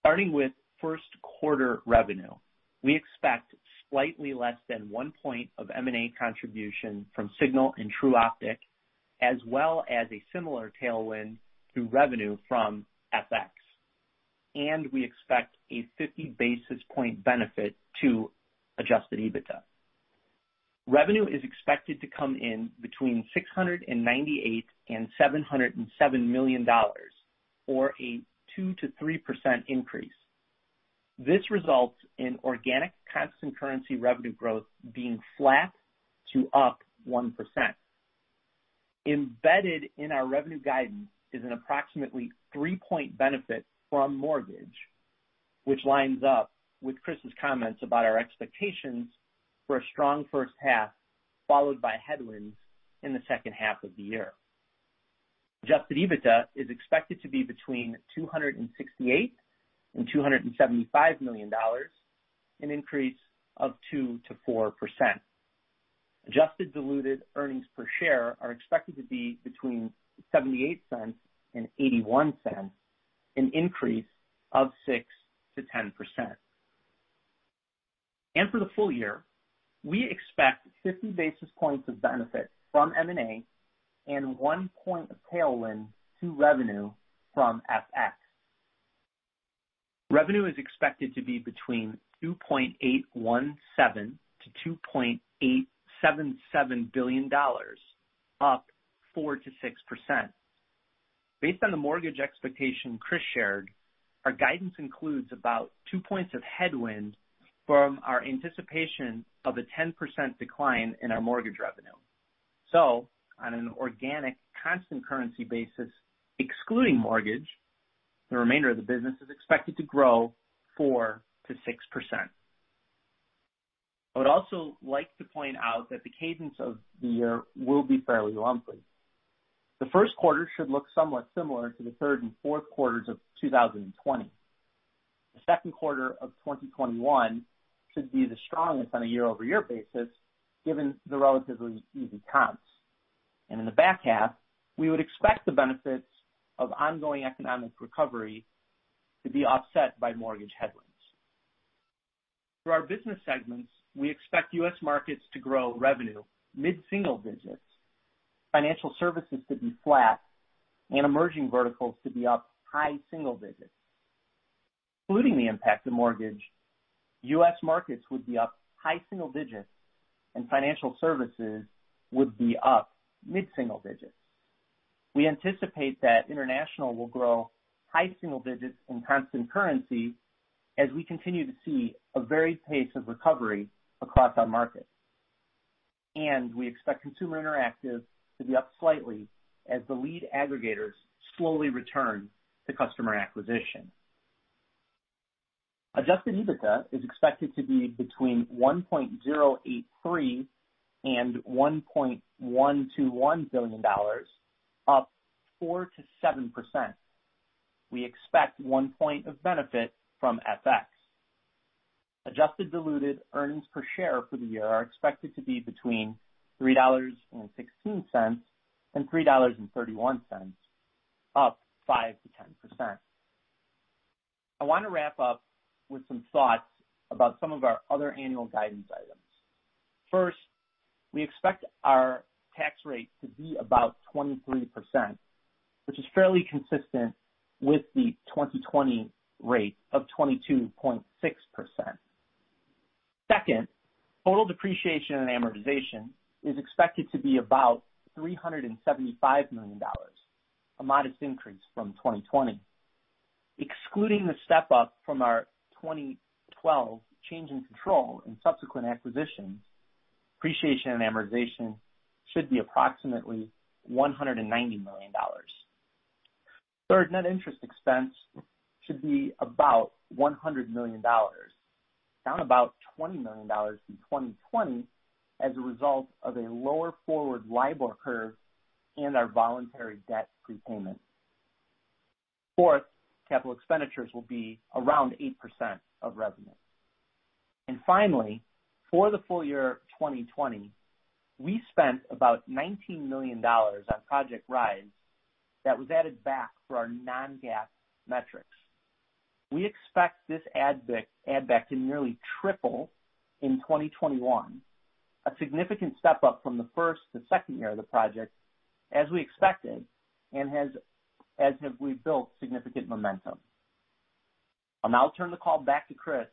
Starting with first quarter revenue, we expect slightly less than one point of M&A contribution from Signal and Tru Optik, as well as a similar tailwind through revenue from FX. We expect a 50 basis point benefit to Adjusted EBITDA. Revenue is expected to come in between $698 and $707 million, or a 2%-3% increase. This results in organic constant currency revenue growth being flat to up 1%. Embedded in our revenue guidance is an approximately 3-point benefit from mortgage, which lines up with Chris's comments about our expectations for a strong first half followed by headwinds in the second half of the year. Adjusted EBITDA is expected to be between $268 million and $275 million, an increase of 2%-4%. Adjusted diluted earnings per share are expected to be between $0.78 and $0.81, an increase of 6%-10%. And for the full year, we expect 50 basis points of benefit from M&A and one point of tailwind to revenue from FX. Revenue is expected to be between $2.817 billion-$2.877 billion, up 4%-6%. Based on the mortgage expectation Chris shared, our guidance includes about two points of headwind from our anticipation of a 10% decline in our mortgage revenue. So on an organic constant currency basis, excluding mortgage, the remainder of the business is expected to grow 4%-6%. I would also like to point out that the cadence of the year will be fairly lumpy. The first quarter should look somewhat similar to the third and fourth quarters of 2020. The second quarter of 2021 should be the strongest on a year-over-year basis, given the relatively easy counts. In the back half, we would expect the benefits of ongoing economic recovery to be offset by mortgage headwinds. For our business segments, we expect U.S. Markets to grow revenue mid-single digits, Financial Services to be flat, and Emerging Verticals to be up high single digits. Excluding the impact of mortgage, U.S. Markets would be up high single digits, and Financial Services would be up mid-single digits. We anticipate that International will grow high single digits in constant currency as we continue to see a varied pace of recovery across our market. We expect Consumer Interactive to be up slightly as the lead aggregators slowly return to customer acquisition. Adjusted EBITDA is expected to be between $1.083 billion-$1.121 billion, up 4%-7%. We expect one point of benefit from FX. Adjusted diluted earnings per share for the year are expected to be between $3.16-$3.31, up 5%-10%. I want to wrap up with some thoughts about some of our other annual guidance items. First, we expect our tax rate to be about 23%, which is fairly consistent with the 2020 rate of 22.6%. Second, total depreciation and amortization is expected to be about $375 million, a modest increase from 2020. Excluding the step-up from our 2012 change in control and subsequent acquisitions, depreciation and amortization should be approximately $190 million. Third, net interest expense should be about $100 million, down about $20 million from 2020 as a result of a lower forward LIBOR curve and our voluntary debt prepayment. Fourth, capital expenditures will be around 8% of revenue. Finally, for the full year 2020, we spent about $19 million on Project Rise that was added back for our non-GAAP metrics. We expect this add-back to nearly triple in 2021, a significant step-up from the first to second year of the project, as we expected, and as have we built significant momentum. I'll now turn the call back to Chris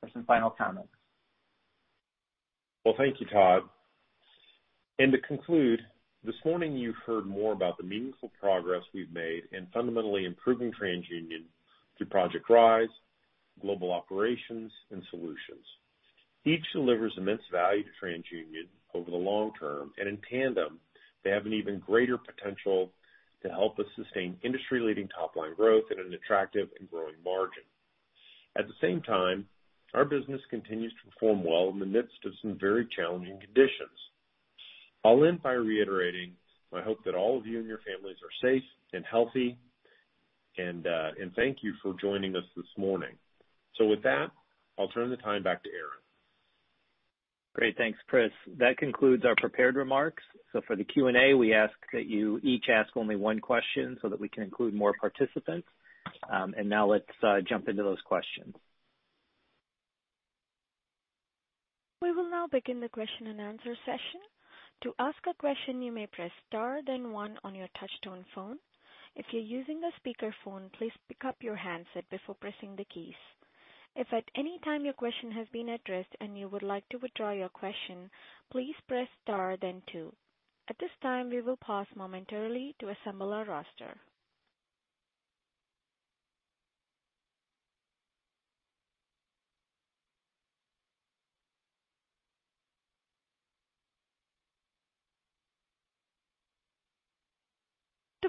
for some final comments. Thank you, Todd. And to conclude, this morning you've heard more about the meaningful progress we've made in fundamentally improving TransUnion through Project Rise, Global Operations, and solutions. Each delivers immense value to TransUnion over the long term, and in tandem, they have an even greater potential to help us sustain industry-leading top-line growth at an attractive and growing margin. At the same time, our business continues to perform well in the midst of some very challenging conditions. I'll end by reiterating my hope that all of you and your families are safe and healthy, and thank you for joining us this morning. So with that, I'll turn the time back to Aaron. Great. Thanks, Chris. That concludes our prepared remarks. So for the Q&A, we ask that you each ask only one question so that we can include more participants. And now let's jump into those questions. We will now begin the question-and-answer session. To ask a question, you may press star then one on your touch-tone phone. If you're using a speakerphone, please pick up your handset before pressing the keys. If at any time your question has been addressed and you would like to withdraw your question, please press star then two. At this time, we will pause momentarily to assemble our roster.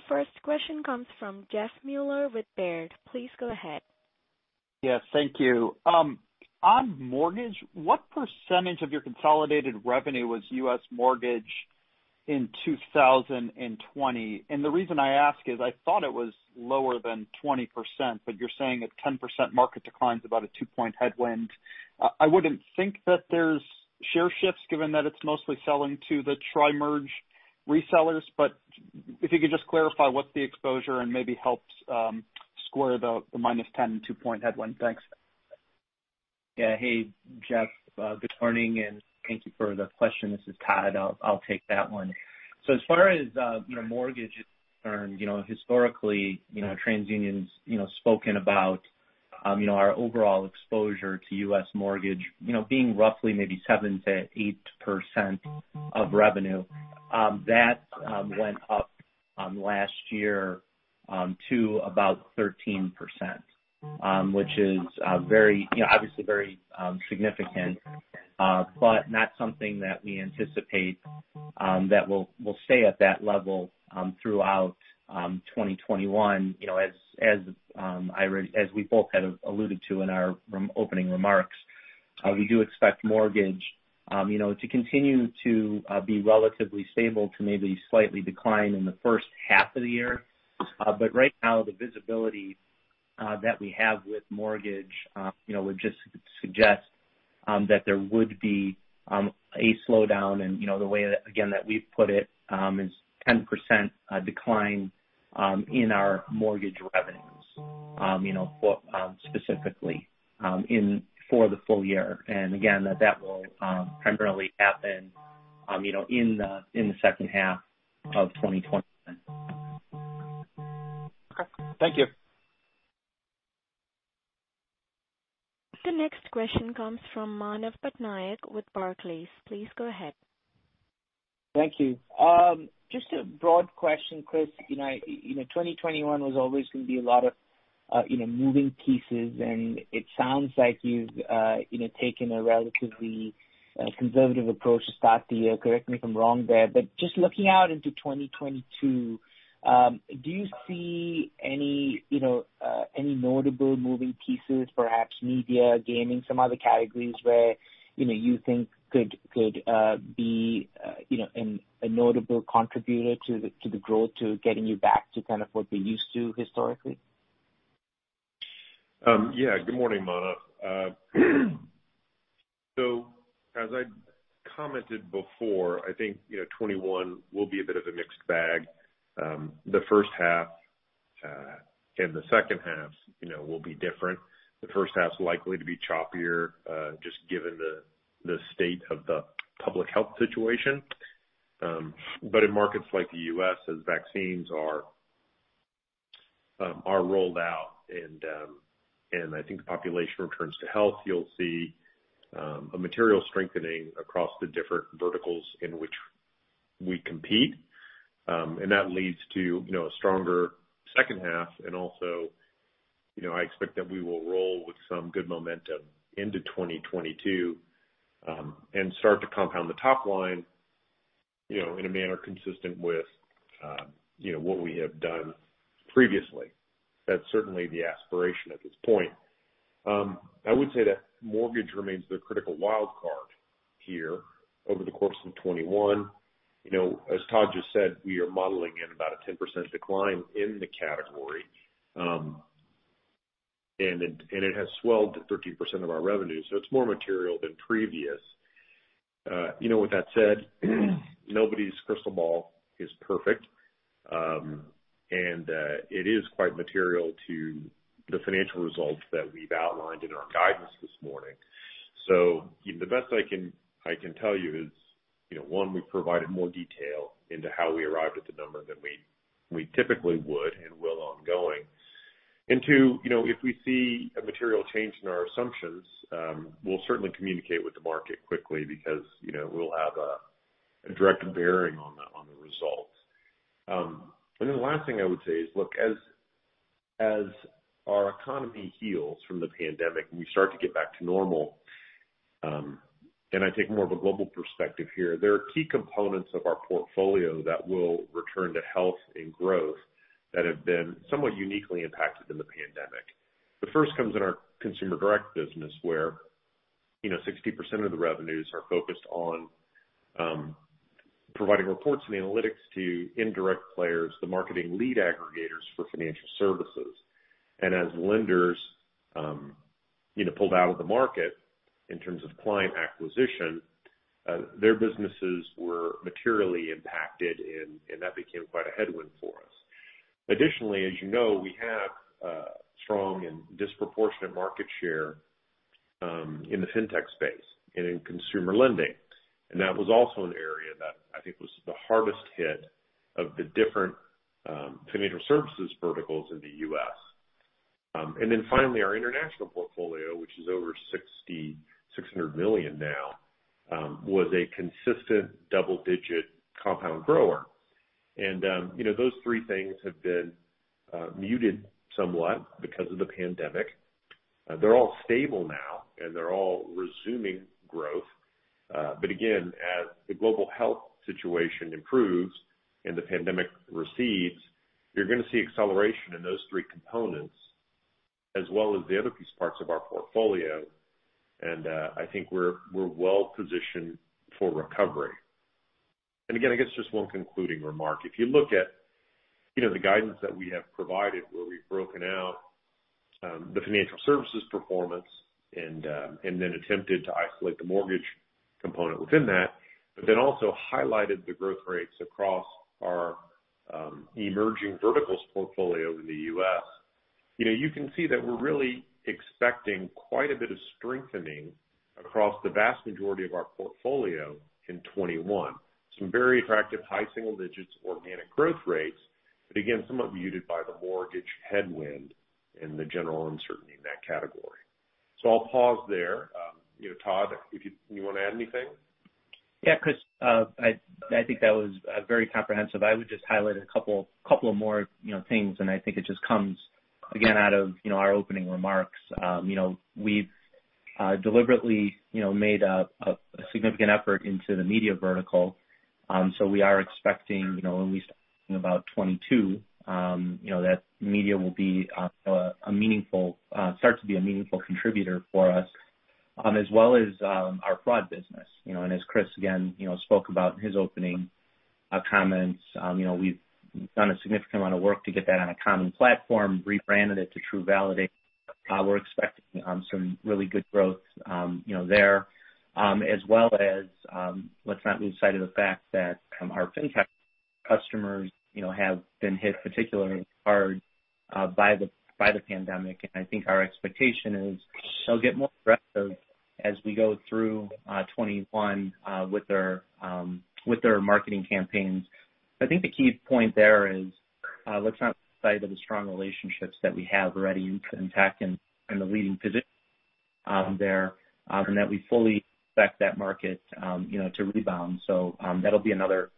The first question comes from Jeff Meuler with Baird. Please go ahead. Yes, thank you. On mortgage, what percentage of your consolidated revenue was U.S. mortgage in 2020? And the reason I ask is I thought it was lower than 20%, but you're saying a 10% market declines about a two-point headwind. I wouldn't think that there's share shifts given that it's mostly selling to the tri-merge resellers, but if you could just clarify what's the exposure and maybe help square the -10 and two-point headwind. Thanks. Yeah. Hey, Jeff, good morning, and thank you for the question. This is Todd. I'll take that one. So as far as mortgage is concerned, historically, TransUnion's spoken about our overall exposure to U.S. mortgage being roughly maybe 7%-8% of revenue. That went up last year to about 13%, which is obviously very significant, but not something that we anticipate that will stay at that level throughout 2021. As we both had alluded to in our opening remarks, we do expect mortgage to continue to be relatively stable to maybe slightly decline in the first half of the year, but right now, the visibility that we have with mortgage would just suggest that there would be a slowdown, and the way, again, that we've put it is 10% decline in our mortgage revenues, specifically for the full year, and again, that will primarily happen in the second half of 2021. Okay. Thank you. The next question comes from Manav Patnaik with Barclays. Please go ahead. Thank you. Just a broad question, Chris. 2021 was always going to be a lot of moving pieces, and it sounds like you've taken a relatively conservative approach to start the year. Correct me if I'm wrong there. But just looking out into 2022, do you see any notable moving pieces, perhaps Media, Gaming, some other categories where you think could be a notable contributor to the growth, to getting you back to kind of what we're used to historically? Yeah. Good morning, Manav. So as I commented before, I think 2021 will be a bit of a mixed bag. The first half and the second half will be different. The first half is likely to be choppier just given the state of the public health situation. But in markets like the U.S., as vaccines are rolled out and I think the population returns to health, you'll see a material strengthening across the different verticals in which we compete. And that leads to a stronger second half. And also, I expect that we will roll with some good momentum into 2022 and start to compound the top line in a manner consistent with what we have done previously. That's certainly the aspiration at this point. I would say that mortgage remains the critical wild card here over the course of 2021. As Todd just said, we are modeling in about a 10% decline in the category, and it has swelled to 13% of our revenue. So it's more material than previous. With that said, nobody's crystal ball is perfect, and it is quite material to the financial results that we've outlined in our guidance this morning. So the best I can tell you is, one, we've provided more detail into how we arrived at the number than we typically would and will ongoing. And two, if we see a material change in our assumptions, we'll certainly communicate with the market quickly because we'll have a direct bearing on the results. And then the last thing I would say is, look, as our economy heals from the pandemic and we start to get back to normal, and I take more of a global perspective here, there are key components of our portfolio that will return to health and growth that have been somewhat uniquely impacted in the pandemic. The first comes in our Consumer Direct business, where 60% of the revenues are focused on providing reports and analytics to indirect players, the marketing lead aggregators for Financial Services. And as lenders pulled out of the market in terms of client acquisition, their businesses were materially impacted, and that became quite a headwind for us. Additionally, as you know, we have strong and disproportionate market share in the fintech space and in consumer lending. And that was also an area that I think was the hardest hit of the different Financial Services verticals in the U.S. And then finally, our International portfolio, which is over 600 million now, was a consistent double-digit compound grower. And those three things have been muted somewhat because of the pandemic. They're all stable now, and they're all resuming growth. But again, as the global health situation improves and the pandemic recedes, you're going to see acceleration in those three components as well as the other piece parts of our portfolio. And I think we're well-positioned for recovery. And again, I guess just one concluding remark. If you look at the guidance that we have provided, where we've broken out the Financial Services performance and then attempted to isolate the mortgage component within that, but then also highlighted the growth rates across our Emerging Verticals portfolio in the U.S., you can see that we're really expecting quite a bit of strengthening across the vast majority of our portfolio in 2021. Some very attractive high single-digit organic growth rates, but again, somewhat muted by the mortgage headwind and the general uncertainty in that category. So I'll pause there. Todd, you want to add anything? Yeah, Chris. I think that was very comprehensive. I would just highlight a couple of more things, and I think it just comes, again, out of our opening remarks. We've deliberately made a significant effort into the Media vertical. So we are expecting, when we start talking about 2022, that Media will start to be a meaningful contributor for us, as well as our fraud business. And as Chris, again, spoke about in his opening comments, we've done a significant amount of work to get that on a common platform, rebranded it to TruValidate. We're expecting some really good growth there, as well as let's not lose sight of the fact that our fintech customers have been hit particularly hard by the pandemic. And I think our expectation is they'll get more aggressive as we go through 2021 with their marketing campaigns. I think the key point there is let's not lose sight of the strong relationships that we have already in fintech and the leading position there, and that we fully expect that market to rebound. So that'll be another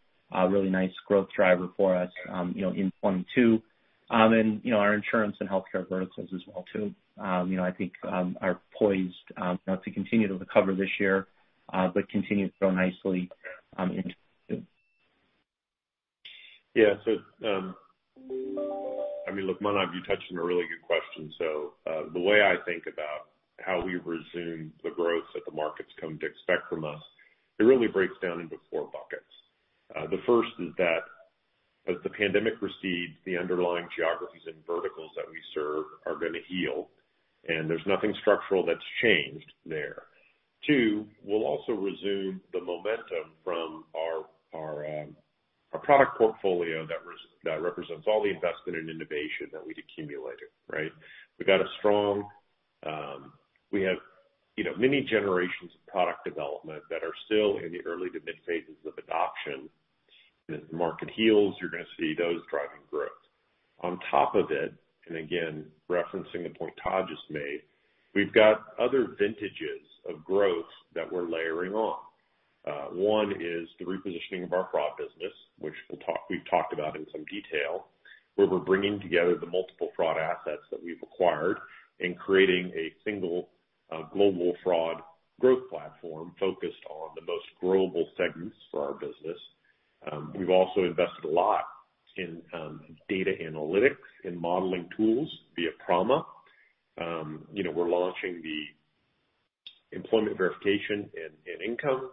really nice growth driver for us in 2022. And our Insurance and Healthcare verticals as well, too. I think are poised to continue to recover this year but continue to grow nicely into 2022. Yeah. So I mean, look, Manav, you touched on a really good question. So the way I think about how we resume the growth that the markets come to expect from us, it really breaks down into four buckets. The first is that as the pandemic recedes, the underlying geographies and verticals that we serve are going to heal, and there's nothing structural that's changed there. Two, we'll also resume the momentum from our product portfolio that represents all the investment and innovation that we've accumulated, right? We've got we have many generations of product development that are still in the early to mid-phases of adoption. And as the market heals, you're going to see those driving growth. On top of it, and again, referencing the point Todd just made, we've got other vintages of growth that we're layering on. One is the repositioning of our fraud business, which we've talked about in some detail, where we're bringing together the multiple fraud assets that we've acquired and creating a single global fraud growth platform focused on the most global segments for our business. We've also invested a lot in data analytics and modeling tools via Prama. We're launching the employment verification and Income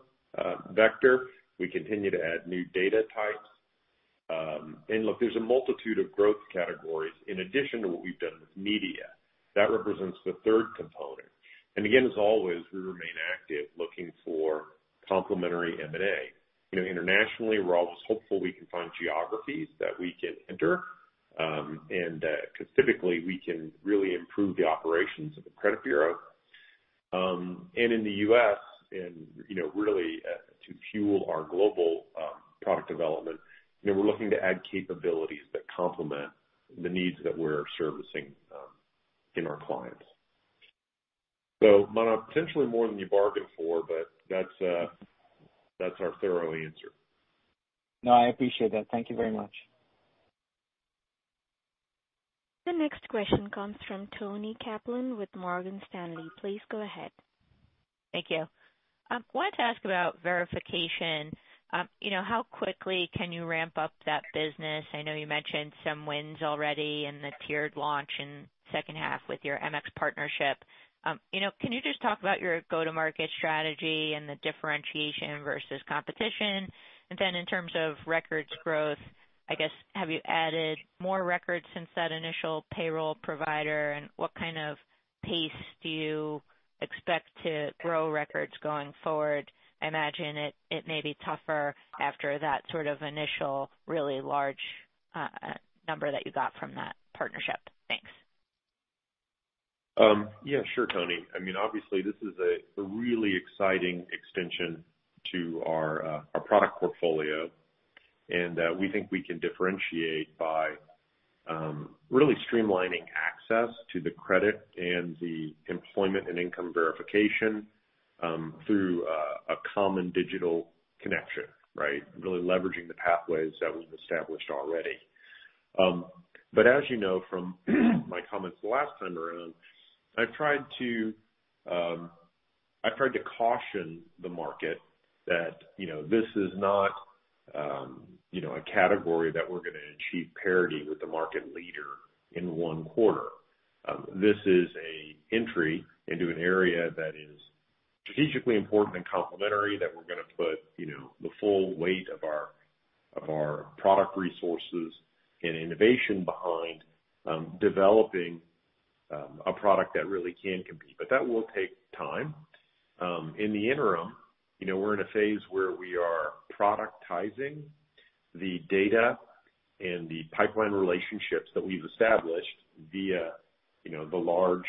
Vector. We continue to add new data types. And look, there's a multitude of growth categories in addition to what we've done with Media. That represents the third component. And again, as always, we remain active looking for complementary M&A. Internationally, we're always hopeful we can find geographies that we can enter because typically, we can really improve the operations of the credit bureau. And in the U.S., and really to fuel our global product development, we're looking to add capabilities that complement the needs that we're servicing in our clients. So Manav, potentially more than you bargained for, but that's our thorough answer. No, I appreciate that. Thank you very much. The next question comes from Toni Kaplan with Morgan Stanley. Please go ahead. Thank you. I wanted to ask about verification. How quickly can you ramp up that business? I know you mentioned some wins already in the tiered launch in the second half with your MX partnership. Can you just talk about your go-to-market strategy and the differentiation versus competition? And then in terms of records growth, I guess, have you added more records since that initial payroll provider? And what kind of pace do you expect to grow records going forward? I imagine it may be tougher after that sort of initial really large number that you got from that partnership. Thanks. Yeah, sure, Toni. I mean, obviously, this is a really exciting extension to our product portfolio. And we think we can differentiate by really streamlining access to the credit and the employment and income verification through a common digital connection, right? Really leveraging the pathways that we've established already. But as you know from my comments the last time around, I've tried to caution the market that this is not a category that we're going to achieve parity with the market leader in one quarter. This is an entry into an area that is strategically important and complementary that we're going to put the full weight of our product resources and innovation behind developing a product that really can compete. But that will take time. In the interim, we're in a phase where we are productizing the data and the pipeline relationships that we've established via the large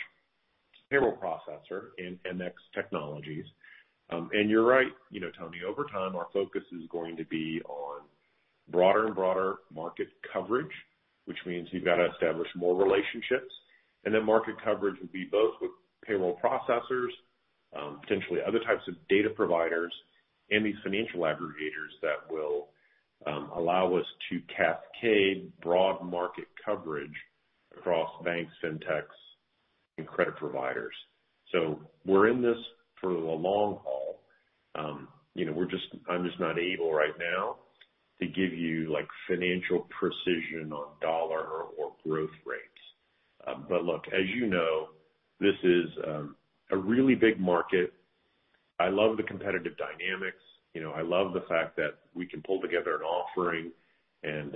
payroll processor and MX Technologies. And you're right, Toni. Over time, our focus is going to be on broader and broader market coverage, which means we've got to establish more relationships. And then market coverage will be both with payroll processors, potentially other types of data providers, and these financial aggregators that will allow us to cascade broad market coverage across banks, fintechs, and credit providers. So we're in this for the long haul. I'm just not able right now to give you financial precision on dollar or growth rates. But look, as you know, this is a really big market. I love the competitive dynamics. I love the fact that we can pull together an offering, and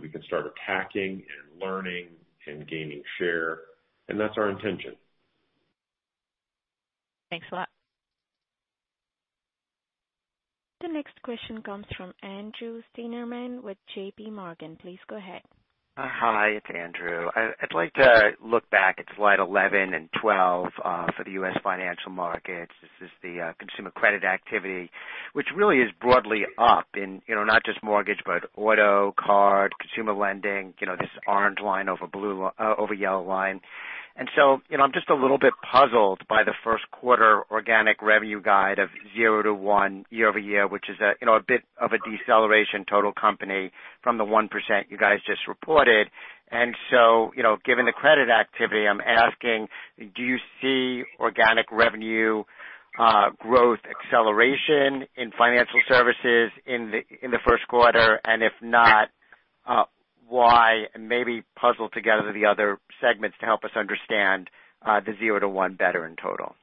we can start attacking and learning and gaining share. And that's our intention. Thanks a lot. The next question comes from Andrew Steinerman with JPMorgan. Please go ahead. Hi, it's Andrew. I'd like to look back at slide 11 and 12 for the U.S. financial markets. This is the consumer credit activity, which really is broadly up in not just mortgage, but auto, card, consumer lending. This orange line over yellow line. I'm just a little bit puzzled by the first quarter organic revenue guide of 0%-1% year-over-year, which is a bit of a deceleration total company from the 1% you guys just reported. Given the credit activity, I'm asking, do you see organic revenue growth acceleration in Financial Services in the first quarter? And if not, why? And maybe puzzle together the other segments to help us understand the 0%-1% better in total.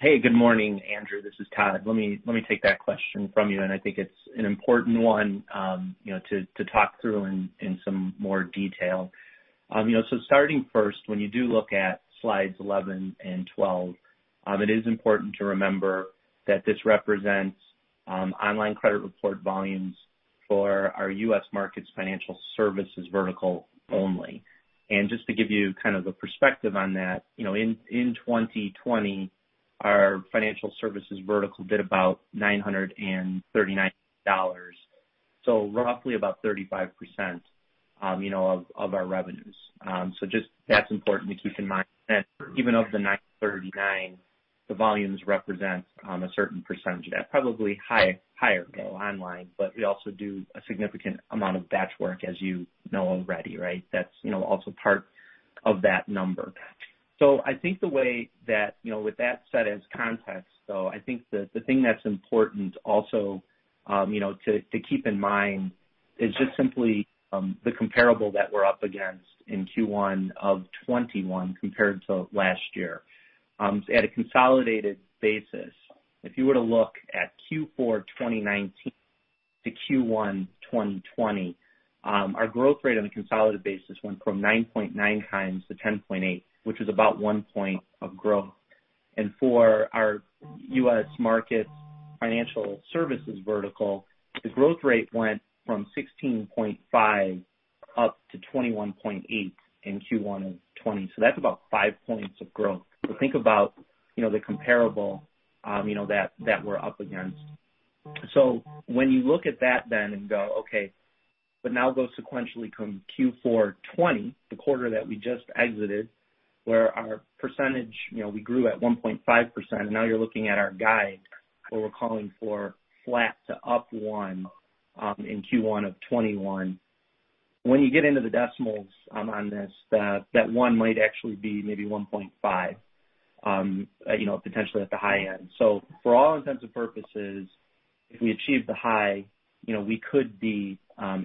Hey, good morning, Andrew. This is Todd. Let me take that question from you. I think it's an important one to talk through in some more detail. Starting first, when you do look at slides 11 and 12, it is important to remember that this represents online credit report volumes for our U.S. Markets Financial Services vertical only. And just to give you kind of a perspective on that, in 2020, our Financial Services vertical did about $939, so roughly about 35% of our revenues. So just that's important to keep in mind. And even of the 939, the volumes represent a certain percentage. That's probably higher though online, but we also do a significant amount of batch work, as you know already, right? That's also part of that number. So I think the way that with that set as context, though, I think the thing that's important also to keep in mind is just simply the comparable that we're up against in Q1 of 2021 compared to last year. At a consolidated basis, if you were to look at Q4 2019 to Q1 2020, our growth rate on a consolidated basis went from 9.9x to 10.8x, which was about one point of growth. For our U.S. Markets Financial Services vertical, the growth rate went from 16.5% up to 21.8% in Q1 of 2020. So that's about five points of growth. So think about the comparable that we're up against. So when you look at that then and go, "Okay, but now go sequentially from Q4 2020, the quarter that we just exited, where our percentage we grew at 1.5%, and now you're looking at our guide where we're calling for flat to up 1% in Q1 of 2021, when you get into the decimals on this, that 1 might actually be maybe 1.5%, potentially at the high end." So for all intents and purposes, if we achieve the high, we could be at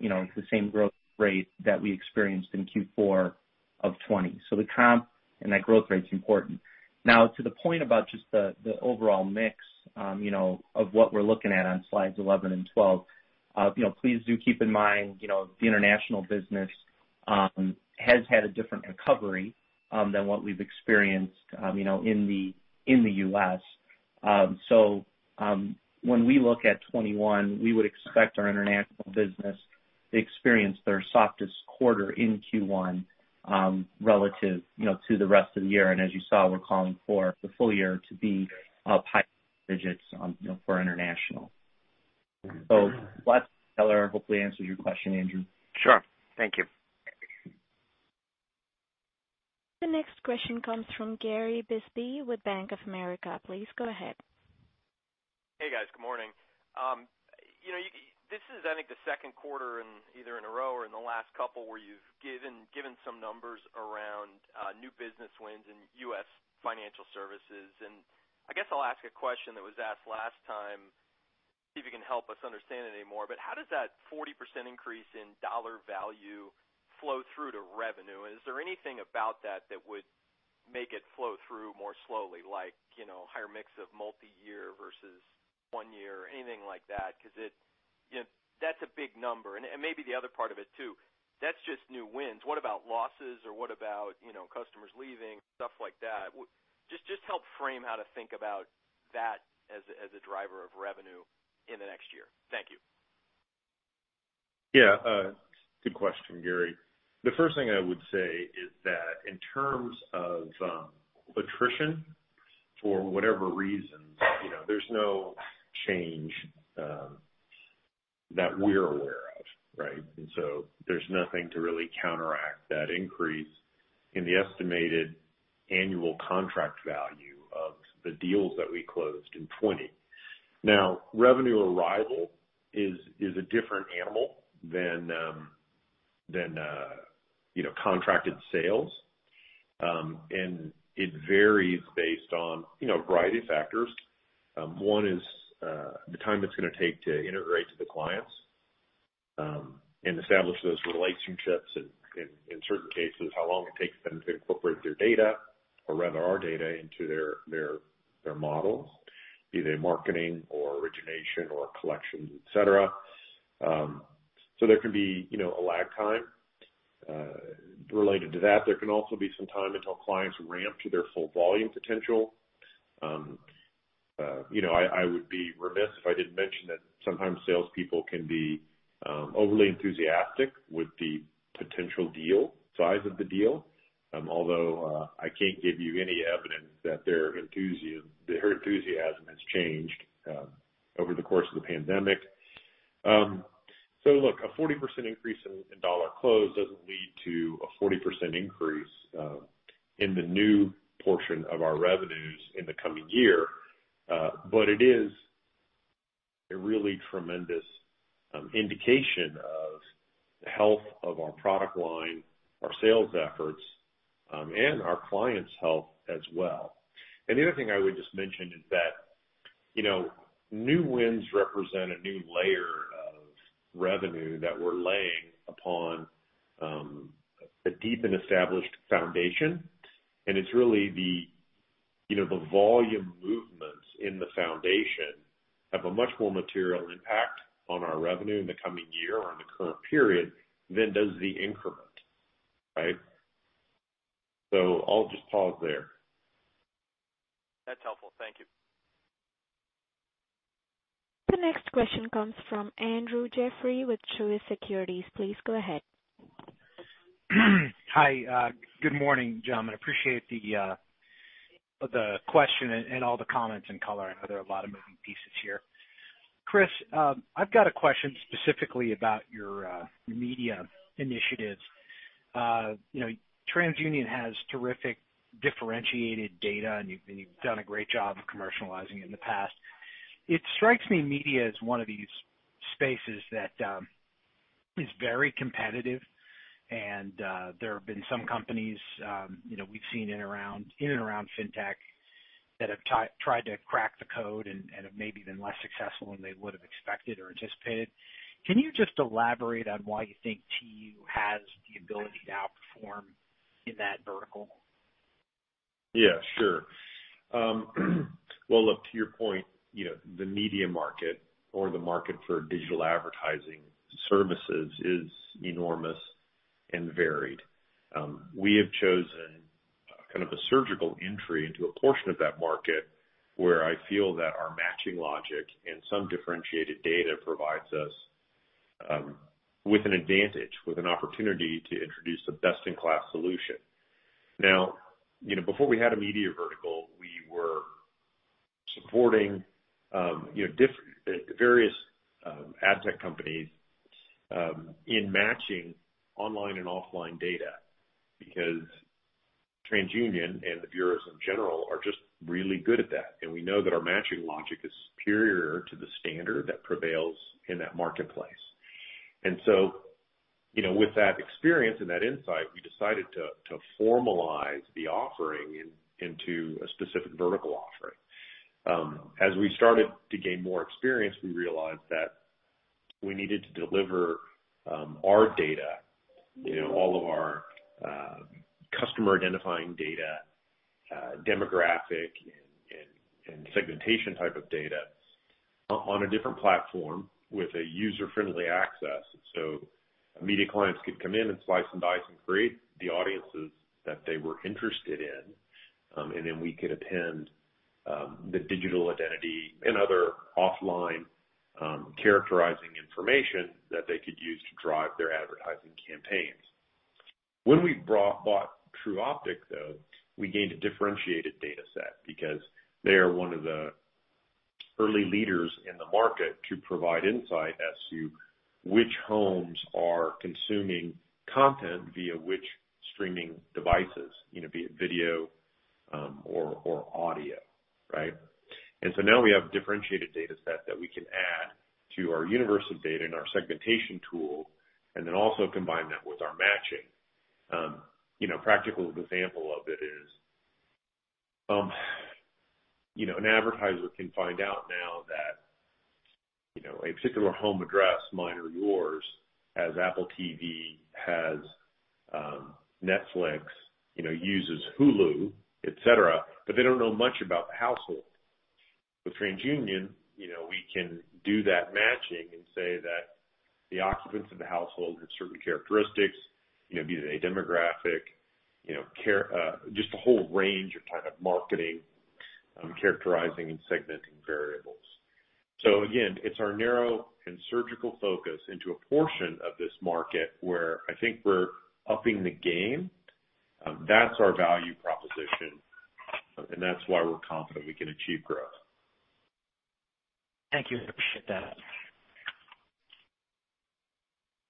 the same growth rate that we experienced in Q4 of 2020. So the comp and that growth rate's important. Now, to the point about just the overall mix of what we're looking at on slides 11 and 12, please do keep in mind the International business has had a different recovery than what we've experienced in the U.S. So when we look at 2021, we would expect our International business to experience their softest quarter in Q1 relative to the rest of the year. And as you saw, we're calling for the full year to be up high digits for International. So lots to tell. I hopefully answered your question, Andrew. Sure. Thank you. The next question comes from Gary Bisbee with Bank of America. Please go ahead. Hey, guys. Good morning. This is, I think, the second quarter either in a row or in the last couple where you've given some numbers around new business wins in U.S. Financial Services. I guess I'll ask a question that was asked last time, see if you can help us understand it anymore. But how does that 40% increase in dollar value flow through to revenue? And is there anything about that that would make it flow through more slowly, like a higher mix of multi-year versus one-year, anything like that? Because that's a big number. And maybe the other part of it too, that's just new wins. What about losses? Or what about customers leaving, stuff like that? Just help frame how to think about that as a driver of revenue in the next year. Thank you. Yeah. Good question, Gary. The first thing I would say is that in terms of attrition, for whatever reasons, there's no change that we're aware of, right? And so there's nothing to really counteract that increase in the estimated annual contract value of the deals that we closed in 2020. Now, revenue arrival is a different animal than contracted sales. And it varies based on a variety of factors. One is the time it's going to take to integrate to the clients and establish those relationships and, in certain cases, how long it takes them to incorporate their data or rather our data into their models, be they marketing or origination or collections, etc. So there can be a lag time related to that. There can also be some time until clients ramp to their full volume potential. I would be remiss if I didn't mention that sometimes salespeople can be overly enthusiastic with the potential deal, size of the deal, although I can't give you any evidence that their enthusiasm has changed over the course of the pandemic. So look, a 40% increase in dollar close doesn't lead to a 40% increase in the new portion of our revenues in the coming year. But it is a really tremendous indication of the health of our product line, our sales efforts, and our clients' health as well. And the other thing I would just mention is that new wins represent a new layer of revenue that we're laying upon a deep and established foundation. And it's really the volume movements in the foundation have a much more material impact on our revenue in the coming year or in the current period than does the increment, right? So I'll just pause there. That's helpful. Thank you. The next question comes from Andrew Jeffrey with Truist Securities. Please go ahead. Hi. Good morning, John. I appreciate the question and all the comments in color. I know there are a lot of moving pieces here. Chris, I've got a question specifically about your Media initiatives. TransUnion has terrific differentiated data, and you've done a great job of commercializing it in the past. It strikes me Media is one of these spaces that is very competitive. And there have been some companies we've seen in and around fintech that have tried to crack the code and have maybe been less successful than they would have expected or anticipated. Can you just elaborate on why you think TU has the ability to outperform in that vertical? Yeah, sure. Well, look, to your point, the Media market or the market for digital advertising services is enormous and varied. We have chosen kind of a surgical entry into a portion of that market where I feel that our matching logic and some differentiated data provides us with an advantage, with an opportunity to introduce the best-in-class solution. Now, before we had a Media vertical, we were supporting various ad tech companies in matching online and offline data because TransUnion and the bureaus in general are just really good at that. And we know that our matching logic is superior to the standard that prevails in that marketplace. And so with that experience and that insight, we decided to formalize the offering into a specific vertical offering. As we started to gain more experience, we realized that we needed to deliver our data, all of our customer-identifying data, demographic, and segmentation type of data on a different platform with a user-friendly access. So Media clients could come in and slice and dice and create the audiences that they were interested in, and then we could attend the digital identity and other offline characterizing information that they could use to drive their advertising campaigns. When we bought Tru Optik, though, we gained a differentiated data set because they are one of the early leaders in the market to provide insight as to which homes are consuming content via which streaming devices, be it video or audio, right, and so now we have a differentiated data set that we can add to our universe of data and our segmentation tool and then also combine that with our matching. A practical example of it is an advertiser can find out now that a particular home address, mine or yours, has Apple TV, has Netflix, uses Hulu, etc., but they don't know much about the household. With TransUnion, we can do that matching and say that the occupants of the household have certain characteristics, be they demographic, just a whole range of kind of marketing characterizing and segmenting variables. So again, it's our narrow and surgical focus into a portion of this market where I think we're upping the game. That's our value proposition. And that's why we're confident we can achieve growth. Thank you. I appreciate that.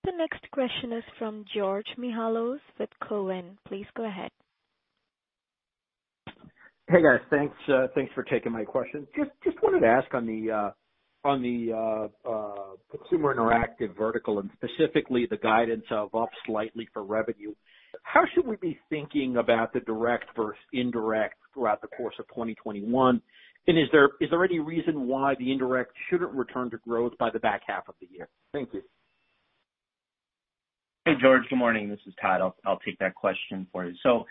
The next question is from George Mihalos with Cowen. Please go ahead. Hey, guys. Thanks for taking my question. Just wanted to ask on the Consumer Interactive vertical and specifically the guidance I've upped slightly for revenue. How should we be thinking about the direct versus indirect throughout the course of 2021? And is there any reason why the indirect shouldn't return to growth by the back half of the year? Thank you. Hey, George. Good morning. This is Todd. I'll take that question for you. So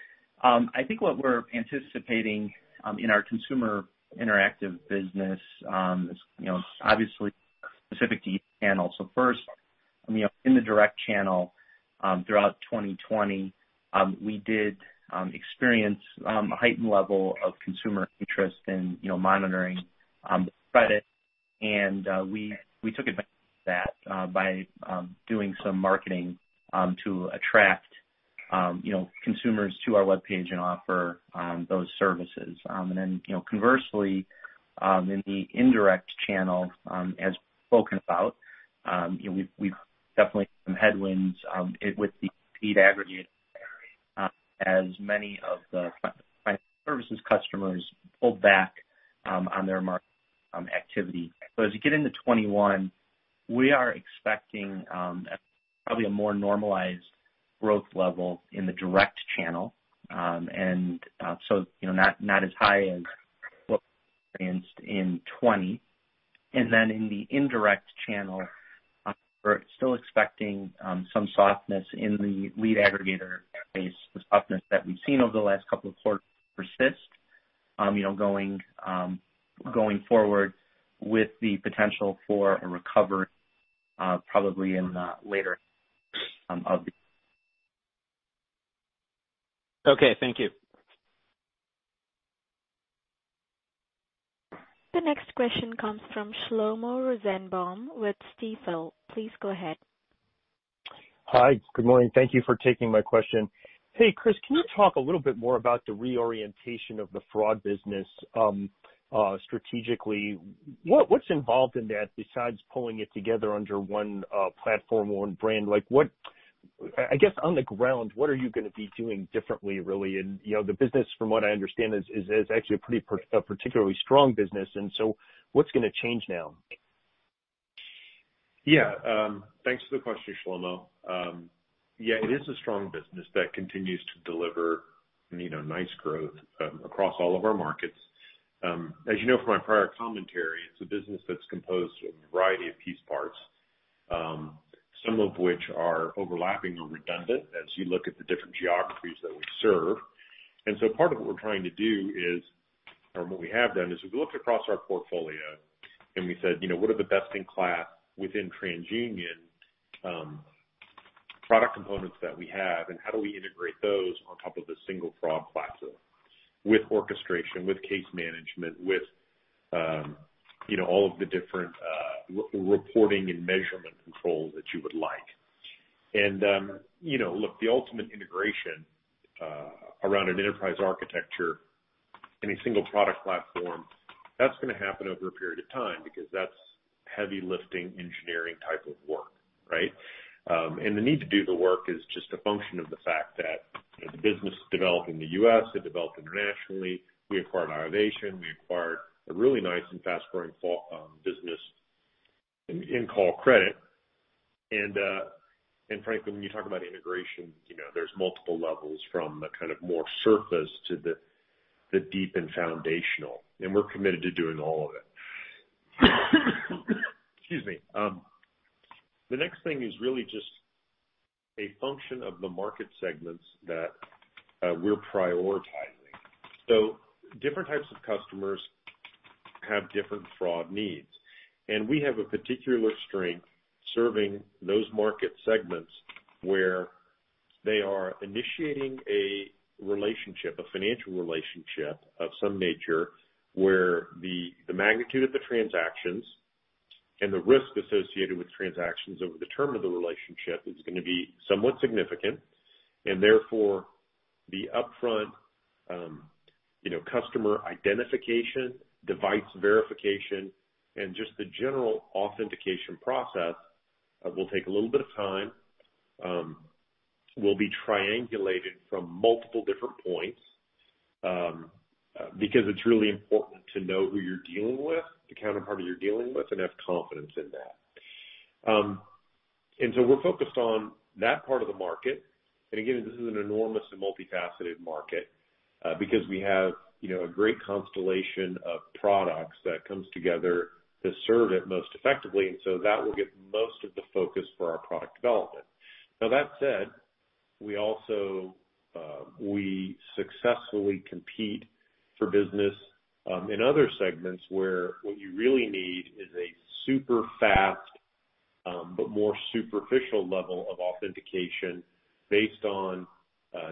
I think what we're anticipating in our Consumer Interactive business is obviously specific to each channel. So first, in the direct channel throughout 2020, we did experience a heightened level of consumer interest in monitoring the credit. And we took advantage of that by doing some marketing to attract consumers to our web page and offer those services. And then conversely, in the indirect channel, as spoken about, we've definitely had some headwinds with the pandemic as many of the Financial Services customers pulled back on their market activity. So as you get into 2021, we are expecting probably a more normalized growth level in the direct channel. And so not as high as what we experienced in 2020. And then in the indirect channel, we're still expecting some softness in the lead aggregator space, the softness that we've seen over the last couple of quarters persist going forward with the potential for a recovery probably in the latter half of the year. Okay. Thank you. The next question comes from Shlomo Rosenbaum with Stifel. Please go ahead. Hi. Good morning. Thank you for taking my question. Hey, Chris, can you talk a little bit more about the reorientation of the fraud business strategically? What's involved in that besides pulling it together under one platform, one brand? I guess on the ground, what are you going to be doing differently, really? And the business, from what I understand, is actually a particularly strong business. And so what's going to change now? Yeah. Thanks for the question, Shlomo. Yeah, it is a strong business that continues to deliver nice growth across all of our markets. As you know from my prior commentary, it's a business that's composed of a variety of piece parts, some of which are overlapping or redundant as you look at the different geographies that we serve. And so part of what we're trying to do is, or what we have done, is we've looked across our portfolio and we said, "What are the best-in-class within TransUnion product components that we have, and how do we integrate those on top of a single fraud platform with orchestration, with case management, with all of the different reporting and measurement controls that you would like?" And look, the ultimate integration around an enterprise architecture and a single product platform, that's going to happen over a period of time because that's heavy-lifting engineering type of work, right? And the need to do the work is just a function of the fact that the business is developing in the U.S., it developed internationally, we acquired Iovation, we acquired a really nice and fast-growing business in Callcredit. And frankly, when you talk about integration, there's multiple levels from the kind of more surface to the deep and foundational. And we're committed to doing all of it. Excuse me. The next thing is really just a function of the market segments that we're prioritizing. So different types of customers have different fraud needs. And we have a particular strength serving those market segments where they are initiating a relationship, a financial relationship of some nature where the magnitude of the transactions and the risk associated with transactions over the term of the relationship is going to be somewhat significant. And therefore, the upfront customer identification, device verification, and just the general authentication process will take a little bit of time, will be triangulated from multiple different points because it's really important to know who you're dealing with, the counterpart you're dealing with, and have confidence in that. And so we're focused on that part of the market. And again, this is an enormous and multifaceted market because we have a great constellation of products that comes together to serve it most effectively. And so that will get most of the focus for our product development. Now, that said, we successfully compete for business in other segments where what you really need is a super fast but more superficial level of authentication based on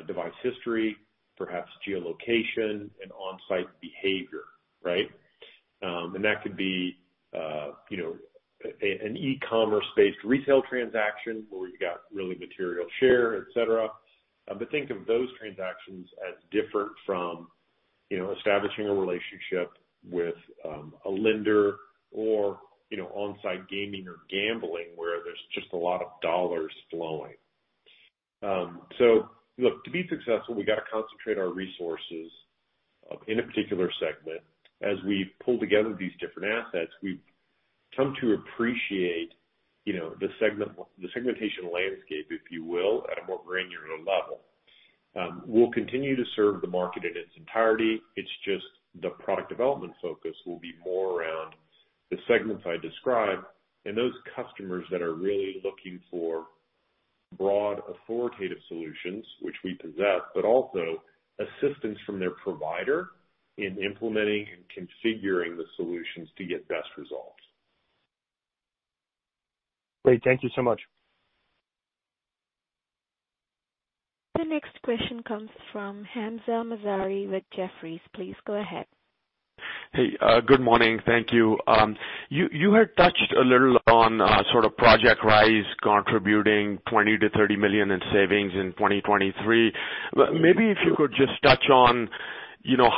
device history, perhaps geolocation, and on-site behavior, right? And that could be an e-commerce-based retail transaction where you got really material share, etc. But think of those transactions as different from establishing a relationship with a lender or on-site Gaming or gambling where there's just a lot of dollars flowing. So look, to be successful, we got to concentrate our resources in a particular segment. As we pull together these different assets, we've come to appreciate the segmentation landscape, if you will, at a more granular level. We'll continue to serve the market in its entirety. It's just the product development focus will be more around the segments I described, and those customers that are really looking for broad authoritative solutions, which we possess, but also assistance from their provider in implementing and configuring the solutions to get best results. Great. Thank you so much. The next question comes from Hamzah Mazari with Jefferies. Please go ahead. Hey. Good morning. Thank you. You had touched a little on sort of Project Rise contributing $20 million-$30 million in savings in 2023. Maybe if you could just touch on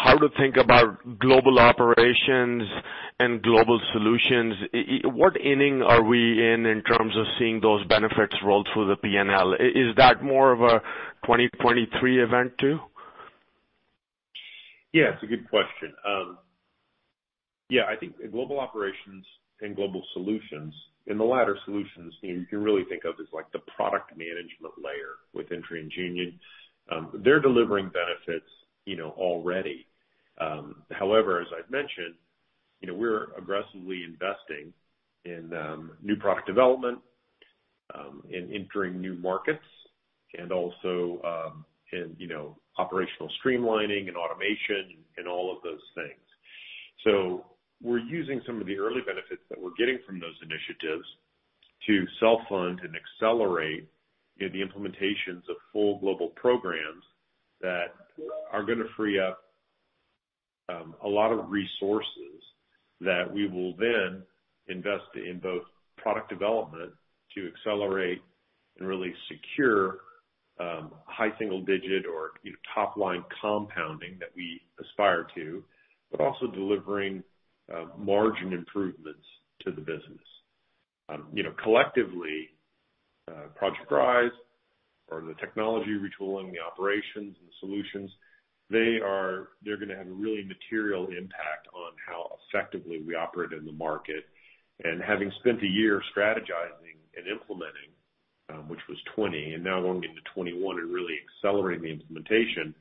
how to think about Global Operations and Global Solutions, what inning are we in in terms of seeing those benefits roll through the P&L? Is that more of a 2023 event too? Yeah. It's a good question. Yeah. I think Global Operations and Global Solutions, and the latter solutions you can really think of as the product management layer within TransUnion. They're delivering benefits already. However, as I've mentioned, we're aggressively investing in new product development, in entering new markets, and also in operational streamlining and automation and all of those things. So we're using some of the early benefits that we're getting from those initiatives to self-fund and accelerate the implementations of full global programs that are going to free up a lot of resources that we will then invest in both product development to accelerate and really secure high single-digit or top-line compounding that we aspire to, but also delivering margin improvements to the business. Collectively, Project Rise or the technology retooling, the operations, and the solutions, they're going to have a really material impact on how effectively we operate in the market. And having spent a year strategizing and implementing, which was 2020, and now going into 2021 and really accelerating the implementation,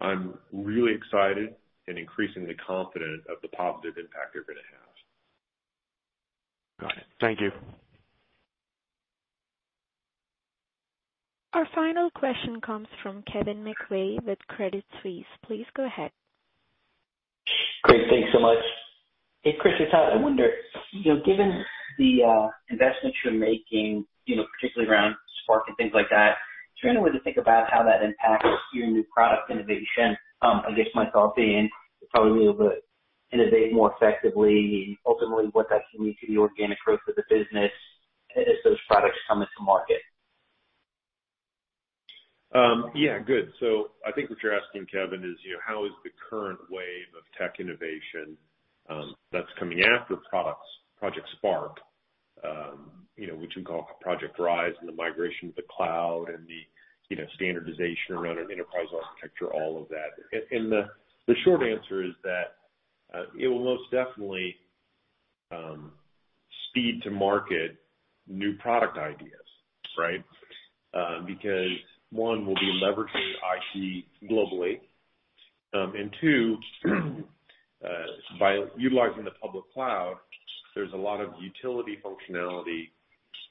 I'm really excited and increasingly confident of the positive impact they're going to have. Got it. Thank you. Our final question comes from Kevin McVeigh with Credit Suisse. Please go ahead. Great. Thanks so much. Hey, Chris, it's Todd. I wonder, given the investments you're making, particularly around Spark and things like that, trying to think about how that impacts your new product innovation. I guess my thought being to probably be able to innovate more effectively, ultimately what that can mean to the organic growth of the business as those products come into market. Yeah. Good. So I think what you're asking, Kevin, is how is the current wave of tech innovation that's coming after Project Spark, which we call Project Rise and the migration to the cloud and the standardization around an enterprise architecture, all of that? And the short answer is that it will most definitely speed to market new product ideas, right? Because one, we'll be leveraging IT globally. And two, by utilizing the public cloud, there's a lot of utility functionality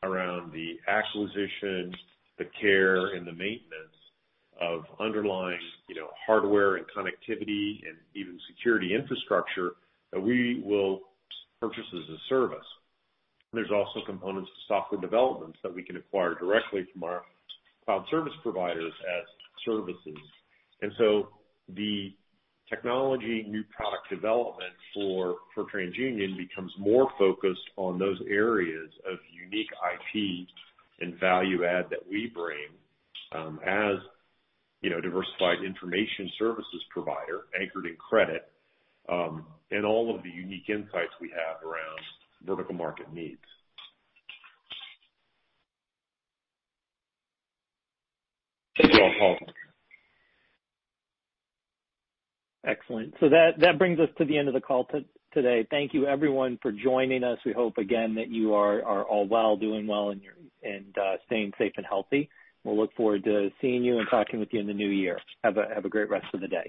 around the acquisition, the care, and the maintenance of underlying hardware and connectivity and even security infrastructure that we will purchase as a service. There's also components of software developments that we can acquire directly from our cloud service providers as services. And so the technology new product development for TransUnion becomes more focused on those areas of unique IP and value add that we bring as a diversified information services provider anchored in credit and all of the unique insights we have around vertical market needs. That's all I'll call it. Excellent. So that brings us to the end of the call today. Thank you, everyone, for joining us. We hope, again, that you are all well, doing well, and staying safe and healthy. We'll look forward to seeing you and talking with you in the new year. Have a great rest of the day.